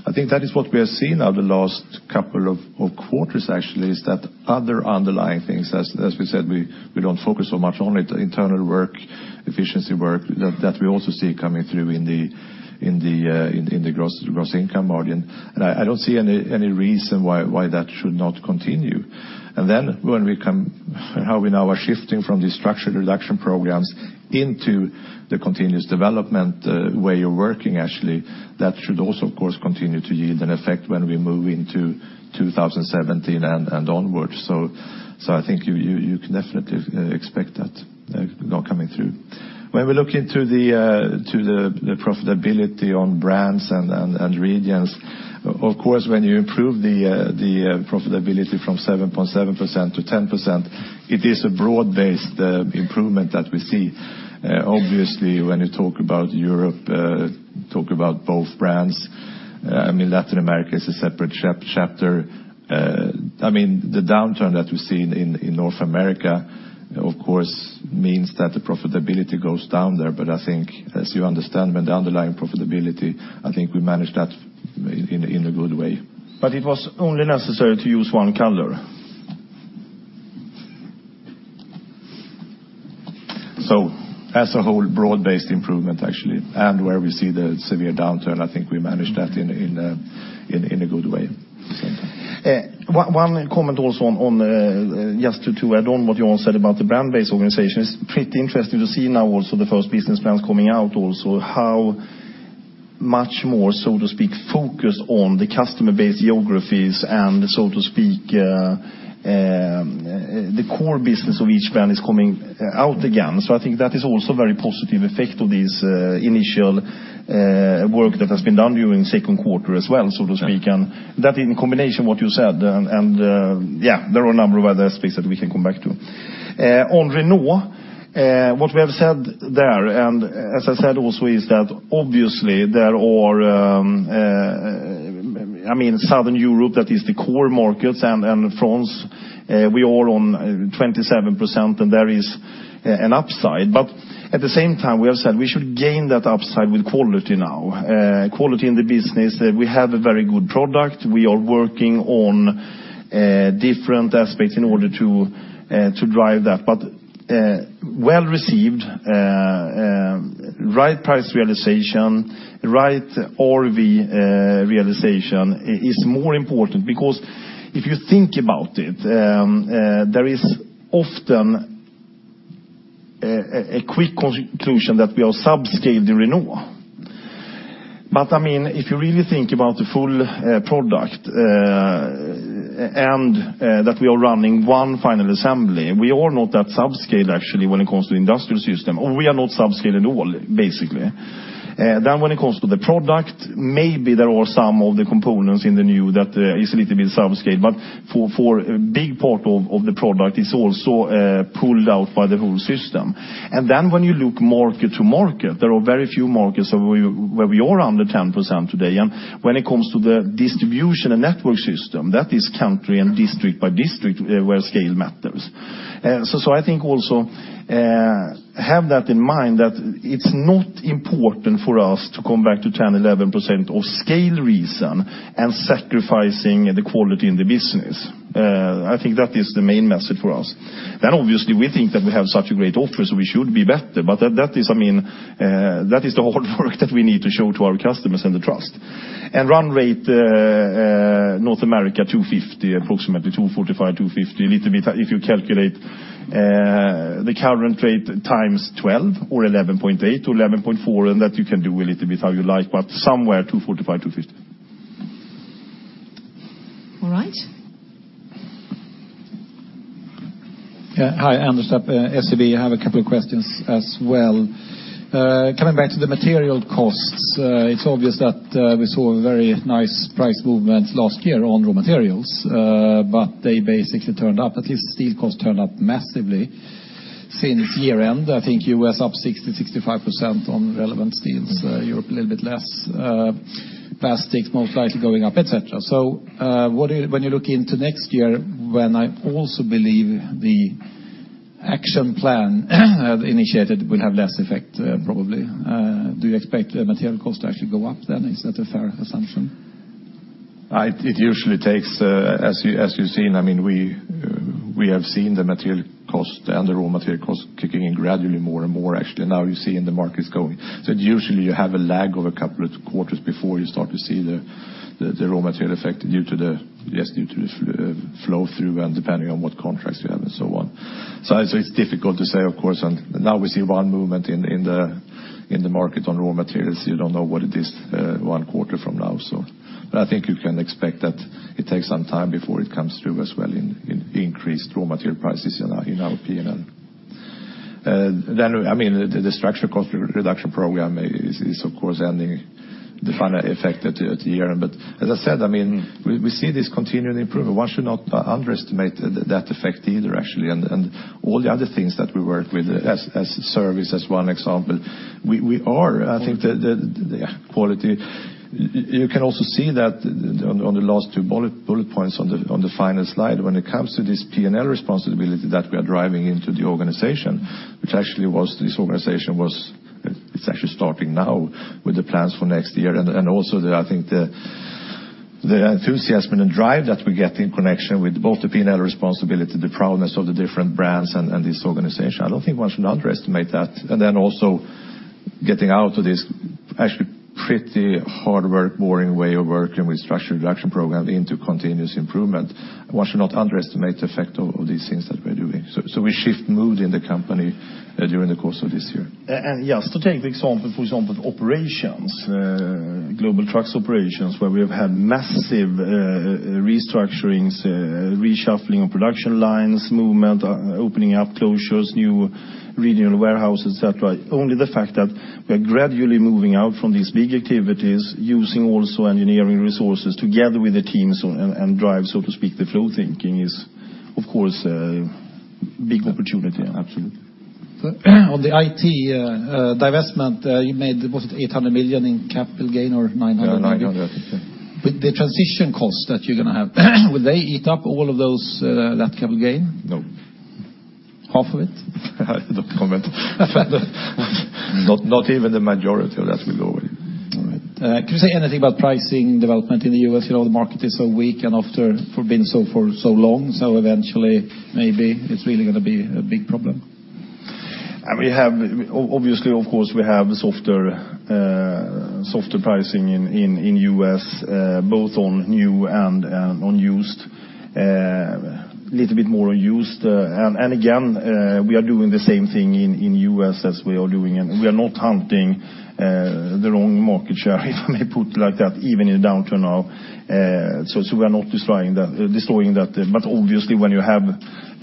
Speaker 3: I think that is what we have seen over the last couple of quarters, actually, is that other underlying things, as we said, we don't focus so much on it, internal work, efficiency work, that we also see coming through in the gross income margin. I don't see any reason why that should not continue. How we now are shifting from these structured reduction programs into the continuous development way of working, actually, that should also, of course, continue to yield an effect when we move into 2017 and onwards. I think you can definitely expect that now coming through. When we look into the profitability on brands and regions, of course, when you improve the profitability from 7.7% to 10%, it is a broad-based improvement that we see. Obviously, when you talk about Europe, talk about both brands, Latin America is a separate chapter. The downturn that we've seen in North America, of course, means that the profitability goes down there. I think as you understand, when the underlying profitability, I think we manage that in a good way.
Speaker 2: It was only necessary to use one color.
Speaker 3: As a whole, broad-based improvement actually, and where we see the severe downturn, I think we managed that in a good way at the same time.
Speaker 2: One comment also on, just to add on what you all said about the brand-based organization, it's pretty interesting to see now also the first business plans coming out also, how much more, so to speak, focused on the customer-based geographies and, so to speak, the core business of each brand is coming out again. I think that is also very positive effect of this initial work that has been done during second quarter as well, so to speak. That in combination what you said, and yeah, there are a number of other aspects that we can come back to. On Renault, what we have said there, and as I said also, is that obviously Southern Europe, that is the core markets, and France we own 27%, and there is an upside. At the same time, we have said we should gain that upside with quality now, quality in the business. We have a very good product. We are working on different aspects in order to drive that. Well-received, right price realization, right RV realization is more important because if you think about it, there is often a quick conclusion that we are sub-scale to Renault. If you really think about the full product and that we are running one final assembly, we own not that sub-scale actually when it comes to industrial system, or we are not sub-scale at all, basically. When it comes to the product, maybe there are some of the components in the new that is a little bit sub-scale. For a big part of the product, it's also pulled out by the whole system. When you look market to market, there are very few markets where we are under 10% today. When it comes to the distribution and network system, that is country and district by district where scale matters. I think also have that in mind that it's not important for us to come back to 10%, 11% of scale reason and sacrificing the quality in the business. I think that is the main message for us. Obviously, we think that we have such a great offer, so we should be better. That is the hard work that we need to show to our customers and the trust. Run rate North America 250, approximately 245, 250, a little bit if you calculate the current rate times 12 or 11.8 or 11.4, and that you can do a little bit how you like, but somewhere 245, 250.
Speaker 1: All right.
Speaker 8: Yeah. Hi, Anders, SEB. I have a couple of questions as well. Coming back to the material costs, it's obvious that we saw a very nice price movement last year on raw materials, but they basically turned up. At least steel costs turned up massively since year-end. I think U.S. up 60%-65% on relevant steels, Europe a little bit less, plastics most likely going up, et cetera. When you look into next year, when I also believe the action plan initiated will have less effect, probably, do you expect material costs to actually go up then? Is that a fair assumption?
Speaker 9: Can you say anything about pricing development in the U.S.? The market is so weak and after being so for so long. Eventually, maybe it's really going to be a big problem.
Speaker 2: Obviously, of course, we have softer pricing in U.S., both on new and on used. A little bit more used. Again, we are doing the same thing in U.S. as we are doing in. We are not hunting the wrong market share, if I may put it like that, even in downturn now. We are not destroying that. Obviously when you have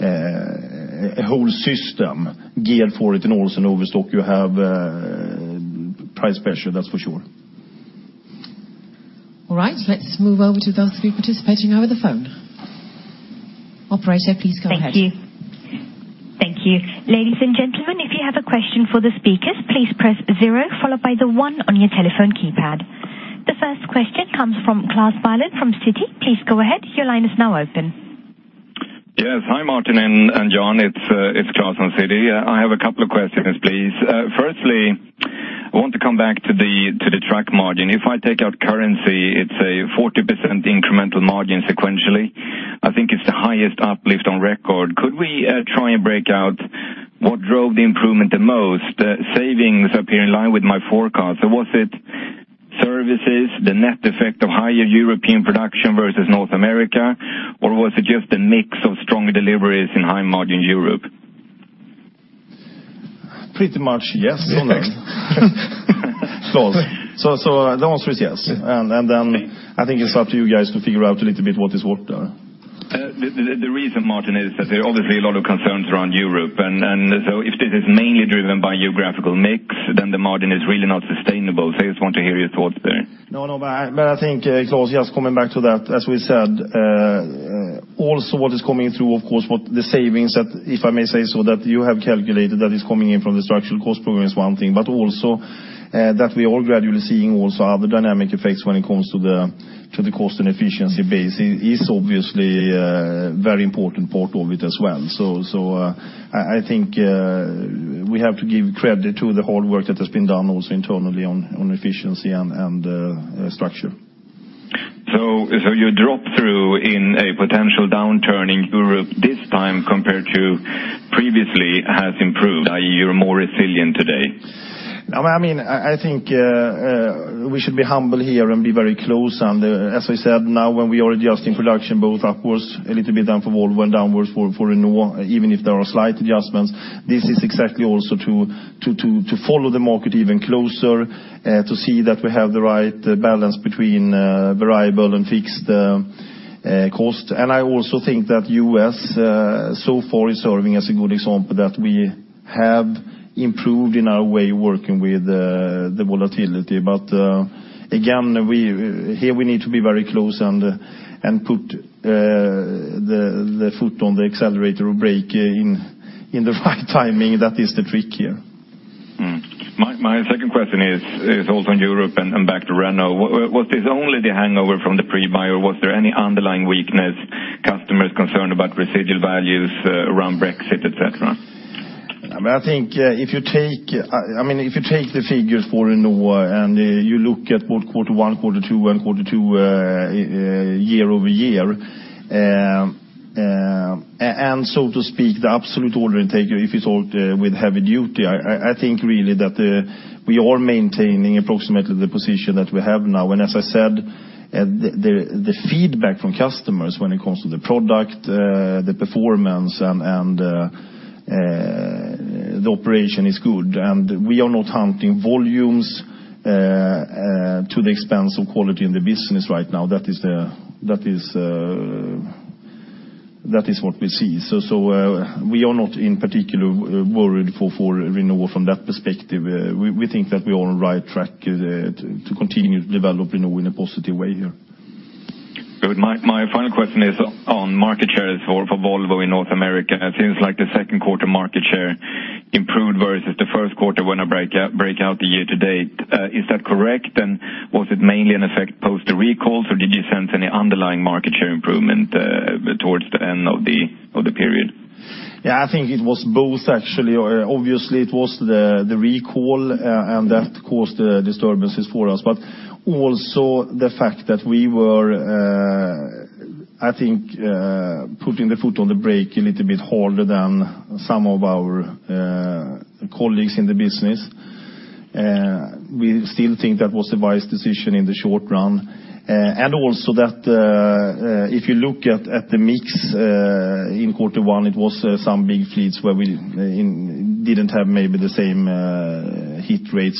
Speaker 2: a whole system geared for it and also an overstock, you have price pressure, that's for sure.
Speaker 4: All right, let's move over to those of you participating over the phone. Operator, please go ahead.
Speaker 1: Thank you. Ladies and gentlemen, if you have a question for the speakers, please press zero followed by the one on your telephone keypad. The first question comes from Klas Wilen from Citi. Please go ahead, your line is now open.
Speaker 10: Yes. Hi, Martin and Johan. It's Klas from Citi. I have a couple of questions, please. Firstly, I want to come back to the truck margin. If I take out currency, it's a 40% incremental margin sequentially. I think it's the highest uplift on record. Could we try and break out what drove the improvement the most? Savings appear in line with my forecast. Was it services, the net effect of higher European production versus North America, or was it just a mix of stronger deliveries in high margin Europe?
Speaker 2: Pretty much, yes on that.
Speaker 10: Thanks.
Speaker 2: Klas, the answer is yes. I think it's up to you guys to figure out a little bit what is what there.
Speaker 10: The reason, Martin, is that there are obviously a lot of concerns around Europe, if this is mainly driven by geographical mix, then the margin is really not sustainable. I just want to hear your thoughts there.
Speaker 2: I think, Klas, just coming back to that, as we said, also what is coming through, of course, what the savings that, if I may say so, that you have calculated that is coming in from the structural cost program is one thing, but also that we are gradually seeing also other dynamic effects when it comes to the cost and efficiency base is obviously a very important part of it as well. I think we have to give credit to the whole work that has been done also internally on efficiency and structure.
Speaker 10: Your drop-through in a potential downturn in Europe this time compared to previously has improved, i.e. you're more resilient today?
Speaker 2: I think we should be humble here and be very close, as I said, now when we are adjusting production both upwards a little bit then for Volvo and downwards for Renault, even if there are slight adjustments, this is exactly also to follow the market even closer, to see that we have the right balance between variable and fixed cost. I also think that U.S. so far is serving as a good example that we have improved in our way working with the volatility. Again, here we need to be very close and put the foot on the accelerator or brake in the right timing. That is the trick here.
Speaker 10: My second question is also on Europe and back to Renault. Was this only the hangover from the pre-buy or was there any underlying weakness, customers concerned about residual values around Brexit, et cetera?
Speaker 2: If you take the figures for Renault and you look at both quarter one, quarter two, and quarter two year-over-year, to speak, the absolute order intake, if it's all with heavy duty, I think really that we are maintaining approximately the position that we have now, as I said, the feedback from customers when it comes to the product, the performance, and the operation is good. We are not hunting volumes to the expense of quality in the business right now. That is what we see. We are not in particular worried for Renault from that perspective. We think that we are on the right track to continue to develop Renault in a positive way here.
Speaker 10: Good. My final question is on market shares for Volvo in North America. It seems like the second quarter market share improved versus the first quarter when I break out the year to date. Is that correct, and was it mainly an effect post the recall, or did you sense any underlying market share improvement towards the end of the period?
Speaker 2: Yeah, I think it was both, actually. Obviously, it was the recall, and that caused disturbances for us. Also the fact that we were, I think, putting the foot on the brake a little bit harder than some of our colleagues in the business. We still think that was a wise decision in the short run. Also that if you look at the mix in quarter one, it was some big fleets where we didn't have maybe the same hit rate.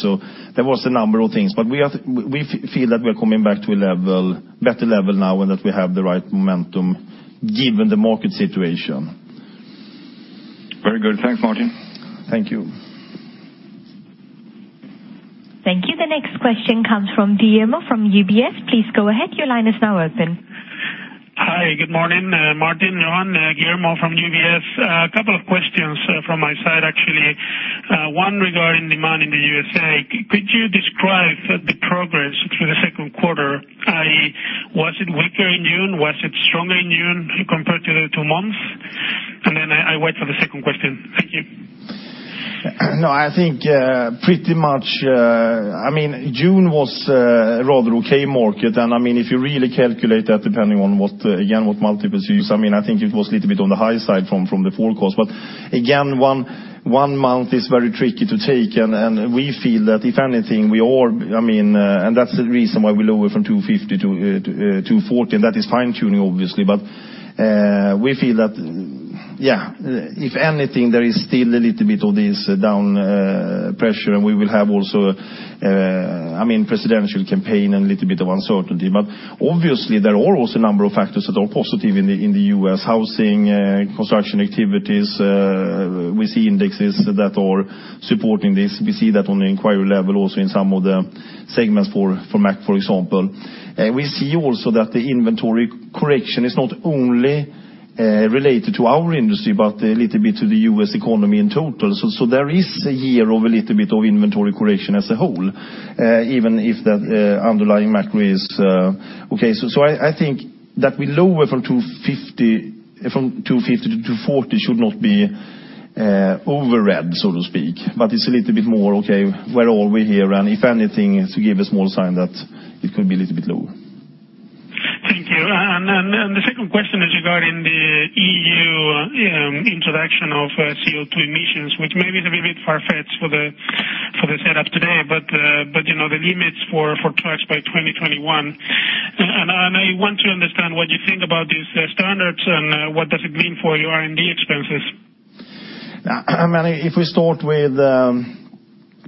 Speaker 2: There was a number of things, but we feel that we are coming back to a better level now and that we have the right momentum given the market situation.
Speaker 10: Very good. Thanks, Martin.
Speaker 2: Thank you.
Speaker 1: Thank you. The next question comes from Guillermo from UBS. Please go ahead, your line is now open.
Speaker 9: Hi, good morning, Martin, Johan. Guillermo from UBS. A couple of questions from my side, actually. One regarding demand in the U.S.A. Could you describe the progress through the second quarter? Was it stronger in June compared to the two months? I wait for the second question. Thank you.
Speaker 2: I think pretty much. June was a rather okay market. If you really calculate that, depending on what multiples you use, I think it was a little bit on the high side from the forecast. Again, one month is very tricky to take. We feel that if anything, that's the reason why we lower from 250 to 240, that is fine-tuning, obviously. We feel that, if anything, there is still a little bit of this down pressure. We will have also presidential campaign and a little bit of uncertainty. Obviously, there are also a number of factors that are positive in the U.S.: housing, construction activities. We see indexes that are supporting this. We see that on the inquiry level also in some of the segments for Mack, for example. We see also that the inventory correction is not only related to our industry, but a little bit to the U.S. economy in total. There is a year of a little bit of inventory correction as a whole, even if that underlying macro is okay. I think that we lower from 250 to 240 should not be overread, so to speak, but it's a little bit more, okay, where are we here? If anything, is to give a small sign that it could be a little bit lower.
Speaker 9: Thank you. The second question is regarding the EU introduction of CO2 emissions, which may be a little bit far-fetched for the set up today, but the limits for trucks by 2021. I want to understand what you think about these standards and what does it mean for your R&D expenses?
Speaker 2: If we start with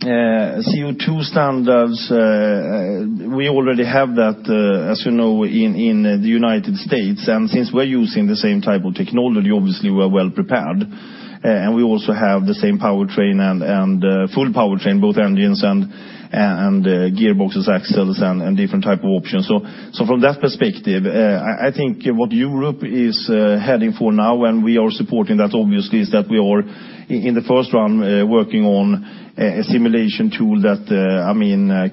Speaker 2: CO2 standards, we already have that, as you know, in the U.S. Since we're using the same type of technology, obviously, we are well-prepared. We also have the same powertrain and full powertrain, both engines and gearboxes, axles, and different type of options. From that perspective, I think what Europe is heading for now, and we are supporting that, obviously, is that we are, in the first run, working on a simulation tool that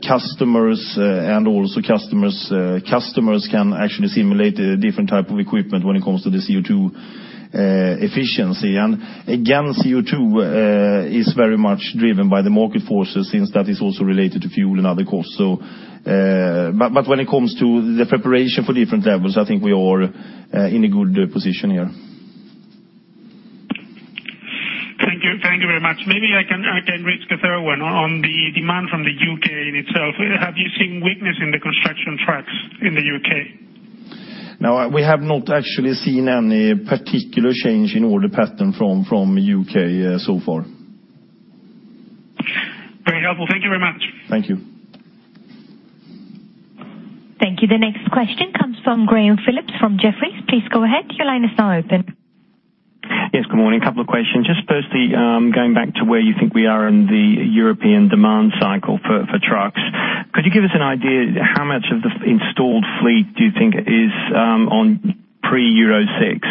Speaker 2: customers and also customers' customers can actually simulate different type of equipment when it comes to the CO2 efficiency. Again, CO2 is very much driven by the market forces, since that is also related to fuel and other costs. When it comes to the preparation for different levels, I think we are in a good position here.
Speaker 9: Thank you. Thank you very much. Maybe I can risk a third one on the demand from the U.K. in itself. Have you seen weakness in the construction trucks in the U.K.?
Speaker 2: No, we have not actually seen any particular change in order pattern from U.K. so far.
Speaker 9: Very helpful. Thank you very much.
Speaker 2: Thank you.
Speaker 1: Thank you. The next question comes from Graham Phillips from Jefferies. Please go ahead. Your line is now open.
Speaker 11: Yes, good morning. A couple of questions. Just firstly, going back to where you think we are in the European demand cycle for trucks, could you give us an idea how much of the installed fleet do you think is on pre-Euro 6?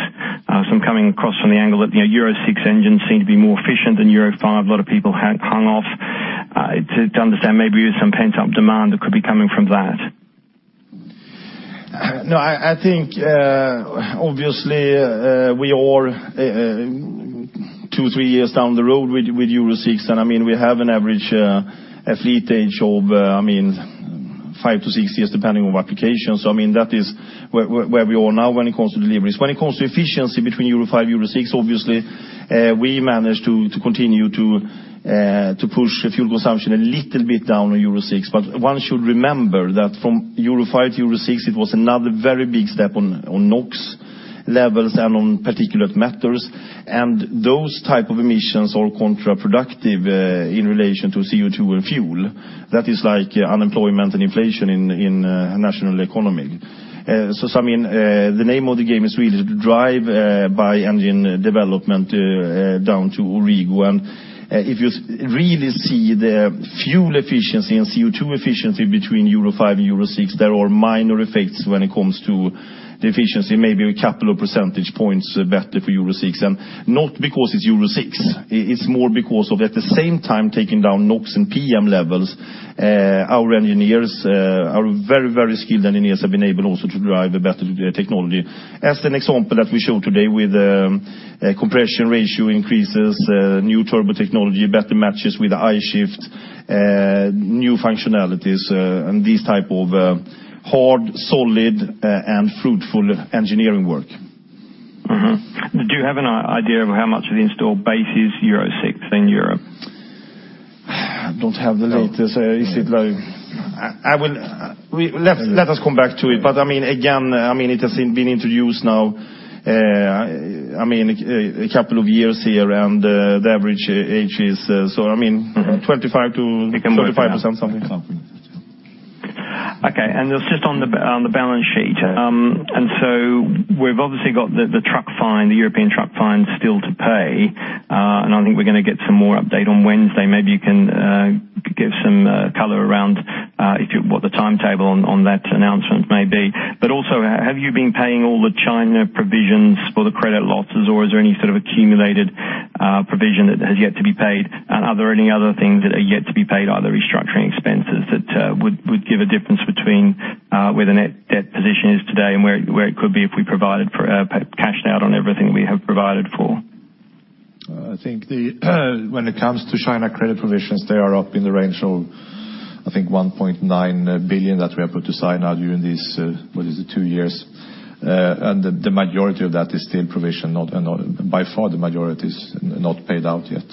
Speaker 11: I'm coming across from the angle that Euro 6 engines seem to be more efficient than Euro 5. A lot of people hung off to understand maybe there's some pent-up demand that could be coming from that.
Speaker 2: I think, obviously, we are two, three years down the road with Euro 6, and we have an average fleet age of five to six years, depending on application. That is where we are now when it comes to deliveries. When it comes to efficiency between Euro 5, Euro 6, obviously, we managed to continue to push fuel consumption a little bit down on Euro 6. One should remember that from Euro 5 to Euro 6, it was another very big step on NOx levels and on particulate matters, and those type of emissions are counterproductive in relation to CO2 and fuel. That is like unemployment and inflation in national economy. The name of the game is really to drive by engine development down to Euro 6. If you really see the fuel efficiency and CO2 efficiency between Euro 5 and Euro 6, there are minor effects when it comes to the efficiency, maybe a couple of percentage points better for Euro 6. Not because it's Euro 6. It's more because of, at the same time, taking down NOx and PM levels. Our engineers are very, very skilled, and engineers have been able also to drive a better technology. As an example that we showed today with compression ratio increases, new turbo technology, better matches with I-Shift, new functionalities, and these type of hard, solid, and fruitful engineering work.
Speaker 11: Do you have an idea of how much of the installed base is Euro 6 in Europe?
Speaker 2: Don't have the latest. Let us come back to it, but again, it has been introduced now a couple of years here, and the average age is 25%-35% something.
Speaker 11: Okay. Just on the balance sheet. We've obviously got the truck fine, the European truck fine still to pay. I think we're going to get some more update on Wednesday. Maybe you can give some color around what the timetable on that announcement may be. Also, have you been paying all the China provisions for the credit losses, or is there any sort of accumulated provision that has yet to be paid. Are there any other things that are yet to be paid, either restructuring expenses that would give a difference between where the net debt position is today and where it could be if we cashed out on everything we have provided for?
Speaker 2: I think when it comes to China credit provisions, they are up in the range of, I think, 1.9 billion that we have put aside now during these, what is it, two years. The majority of that is still provision. By far the majority is not paid out yet.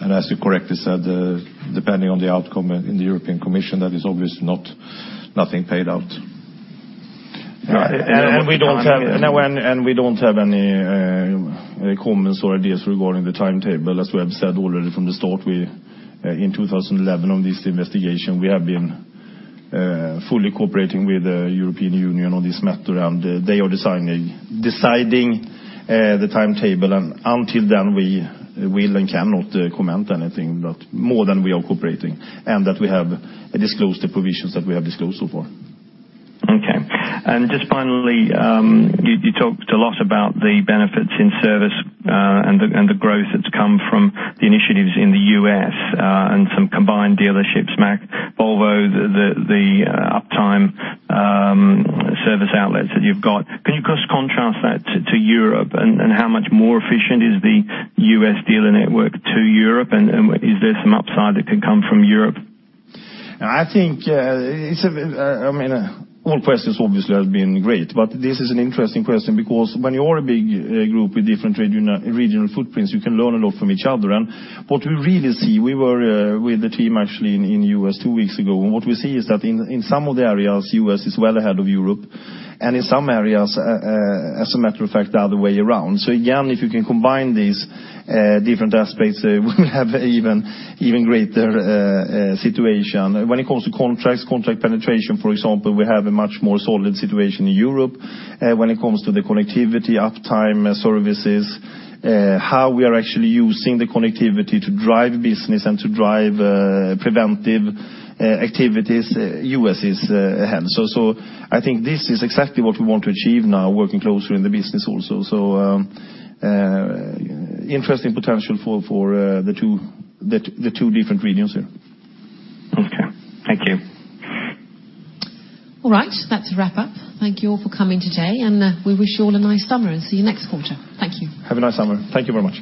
Speaker 2: As you correctly said, depending on the outcome in the European Commission, that is obviously nothing paid out.
Speaker 11: Right. We don't have.
Speaker 2: We don't have any comments or ideas regarding the timetable. As we have said already from the start, in 2011, on this investigation, we have been fully cooperating with the European Union on this matter. They are deciding the timetable, and until then, we will and cannot comment anything but more than we are cooperating, and that we have disclosed the provisions that we have disclosed so far.
Speaker 11: Okay. Just finally, you talked a lot about the benefits in service and the growth that's come from the initiatives in the U.S. and some combined dealerships, Mack, Volvo, the uptime service outlets that you've got. Can you contrast that to Europe and how much more efficient is the U.S. dealer network to Europe? Is there some upside that can come from Europe?
Speaker 2: All questions obviously has been great, but this is an interesting question because when you are a big group with different regional footprints, you can learn a lot from each other. What we really see, we were with the team actually in U.S. two weeks ago. What we see is that in some of the areas, U.S. is well ahead of Europe. In some areas, as a matter of fact, the other way around. Again, if you can combine these different aspects, we will have even greater situation. When it comes to contracts, contract penetration, for example, we have a much more solid situation in Europe. When it comes to the connectivity, uptime services, how we are actually using the connectivity to drive business and to drive preventive activities, U.S. is ahead. I think this is exactly what we want to achieve now, working closer in the business also. Interesting potential for the two different regions here.
Speaker 11: Okay. Thank you.
Speaker 4: All right. That's a wrap-up. Thank you all for coming today, and we wish you all a nice summer and see you next quarter. Thank you.
Speaker 2: Have a nice summer. Thank you very much.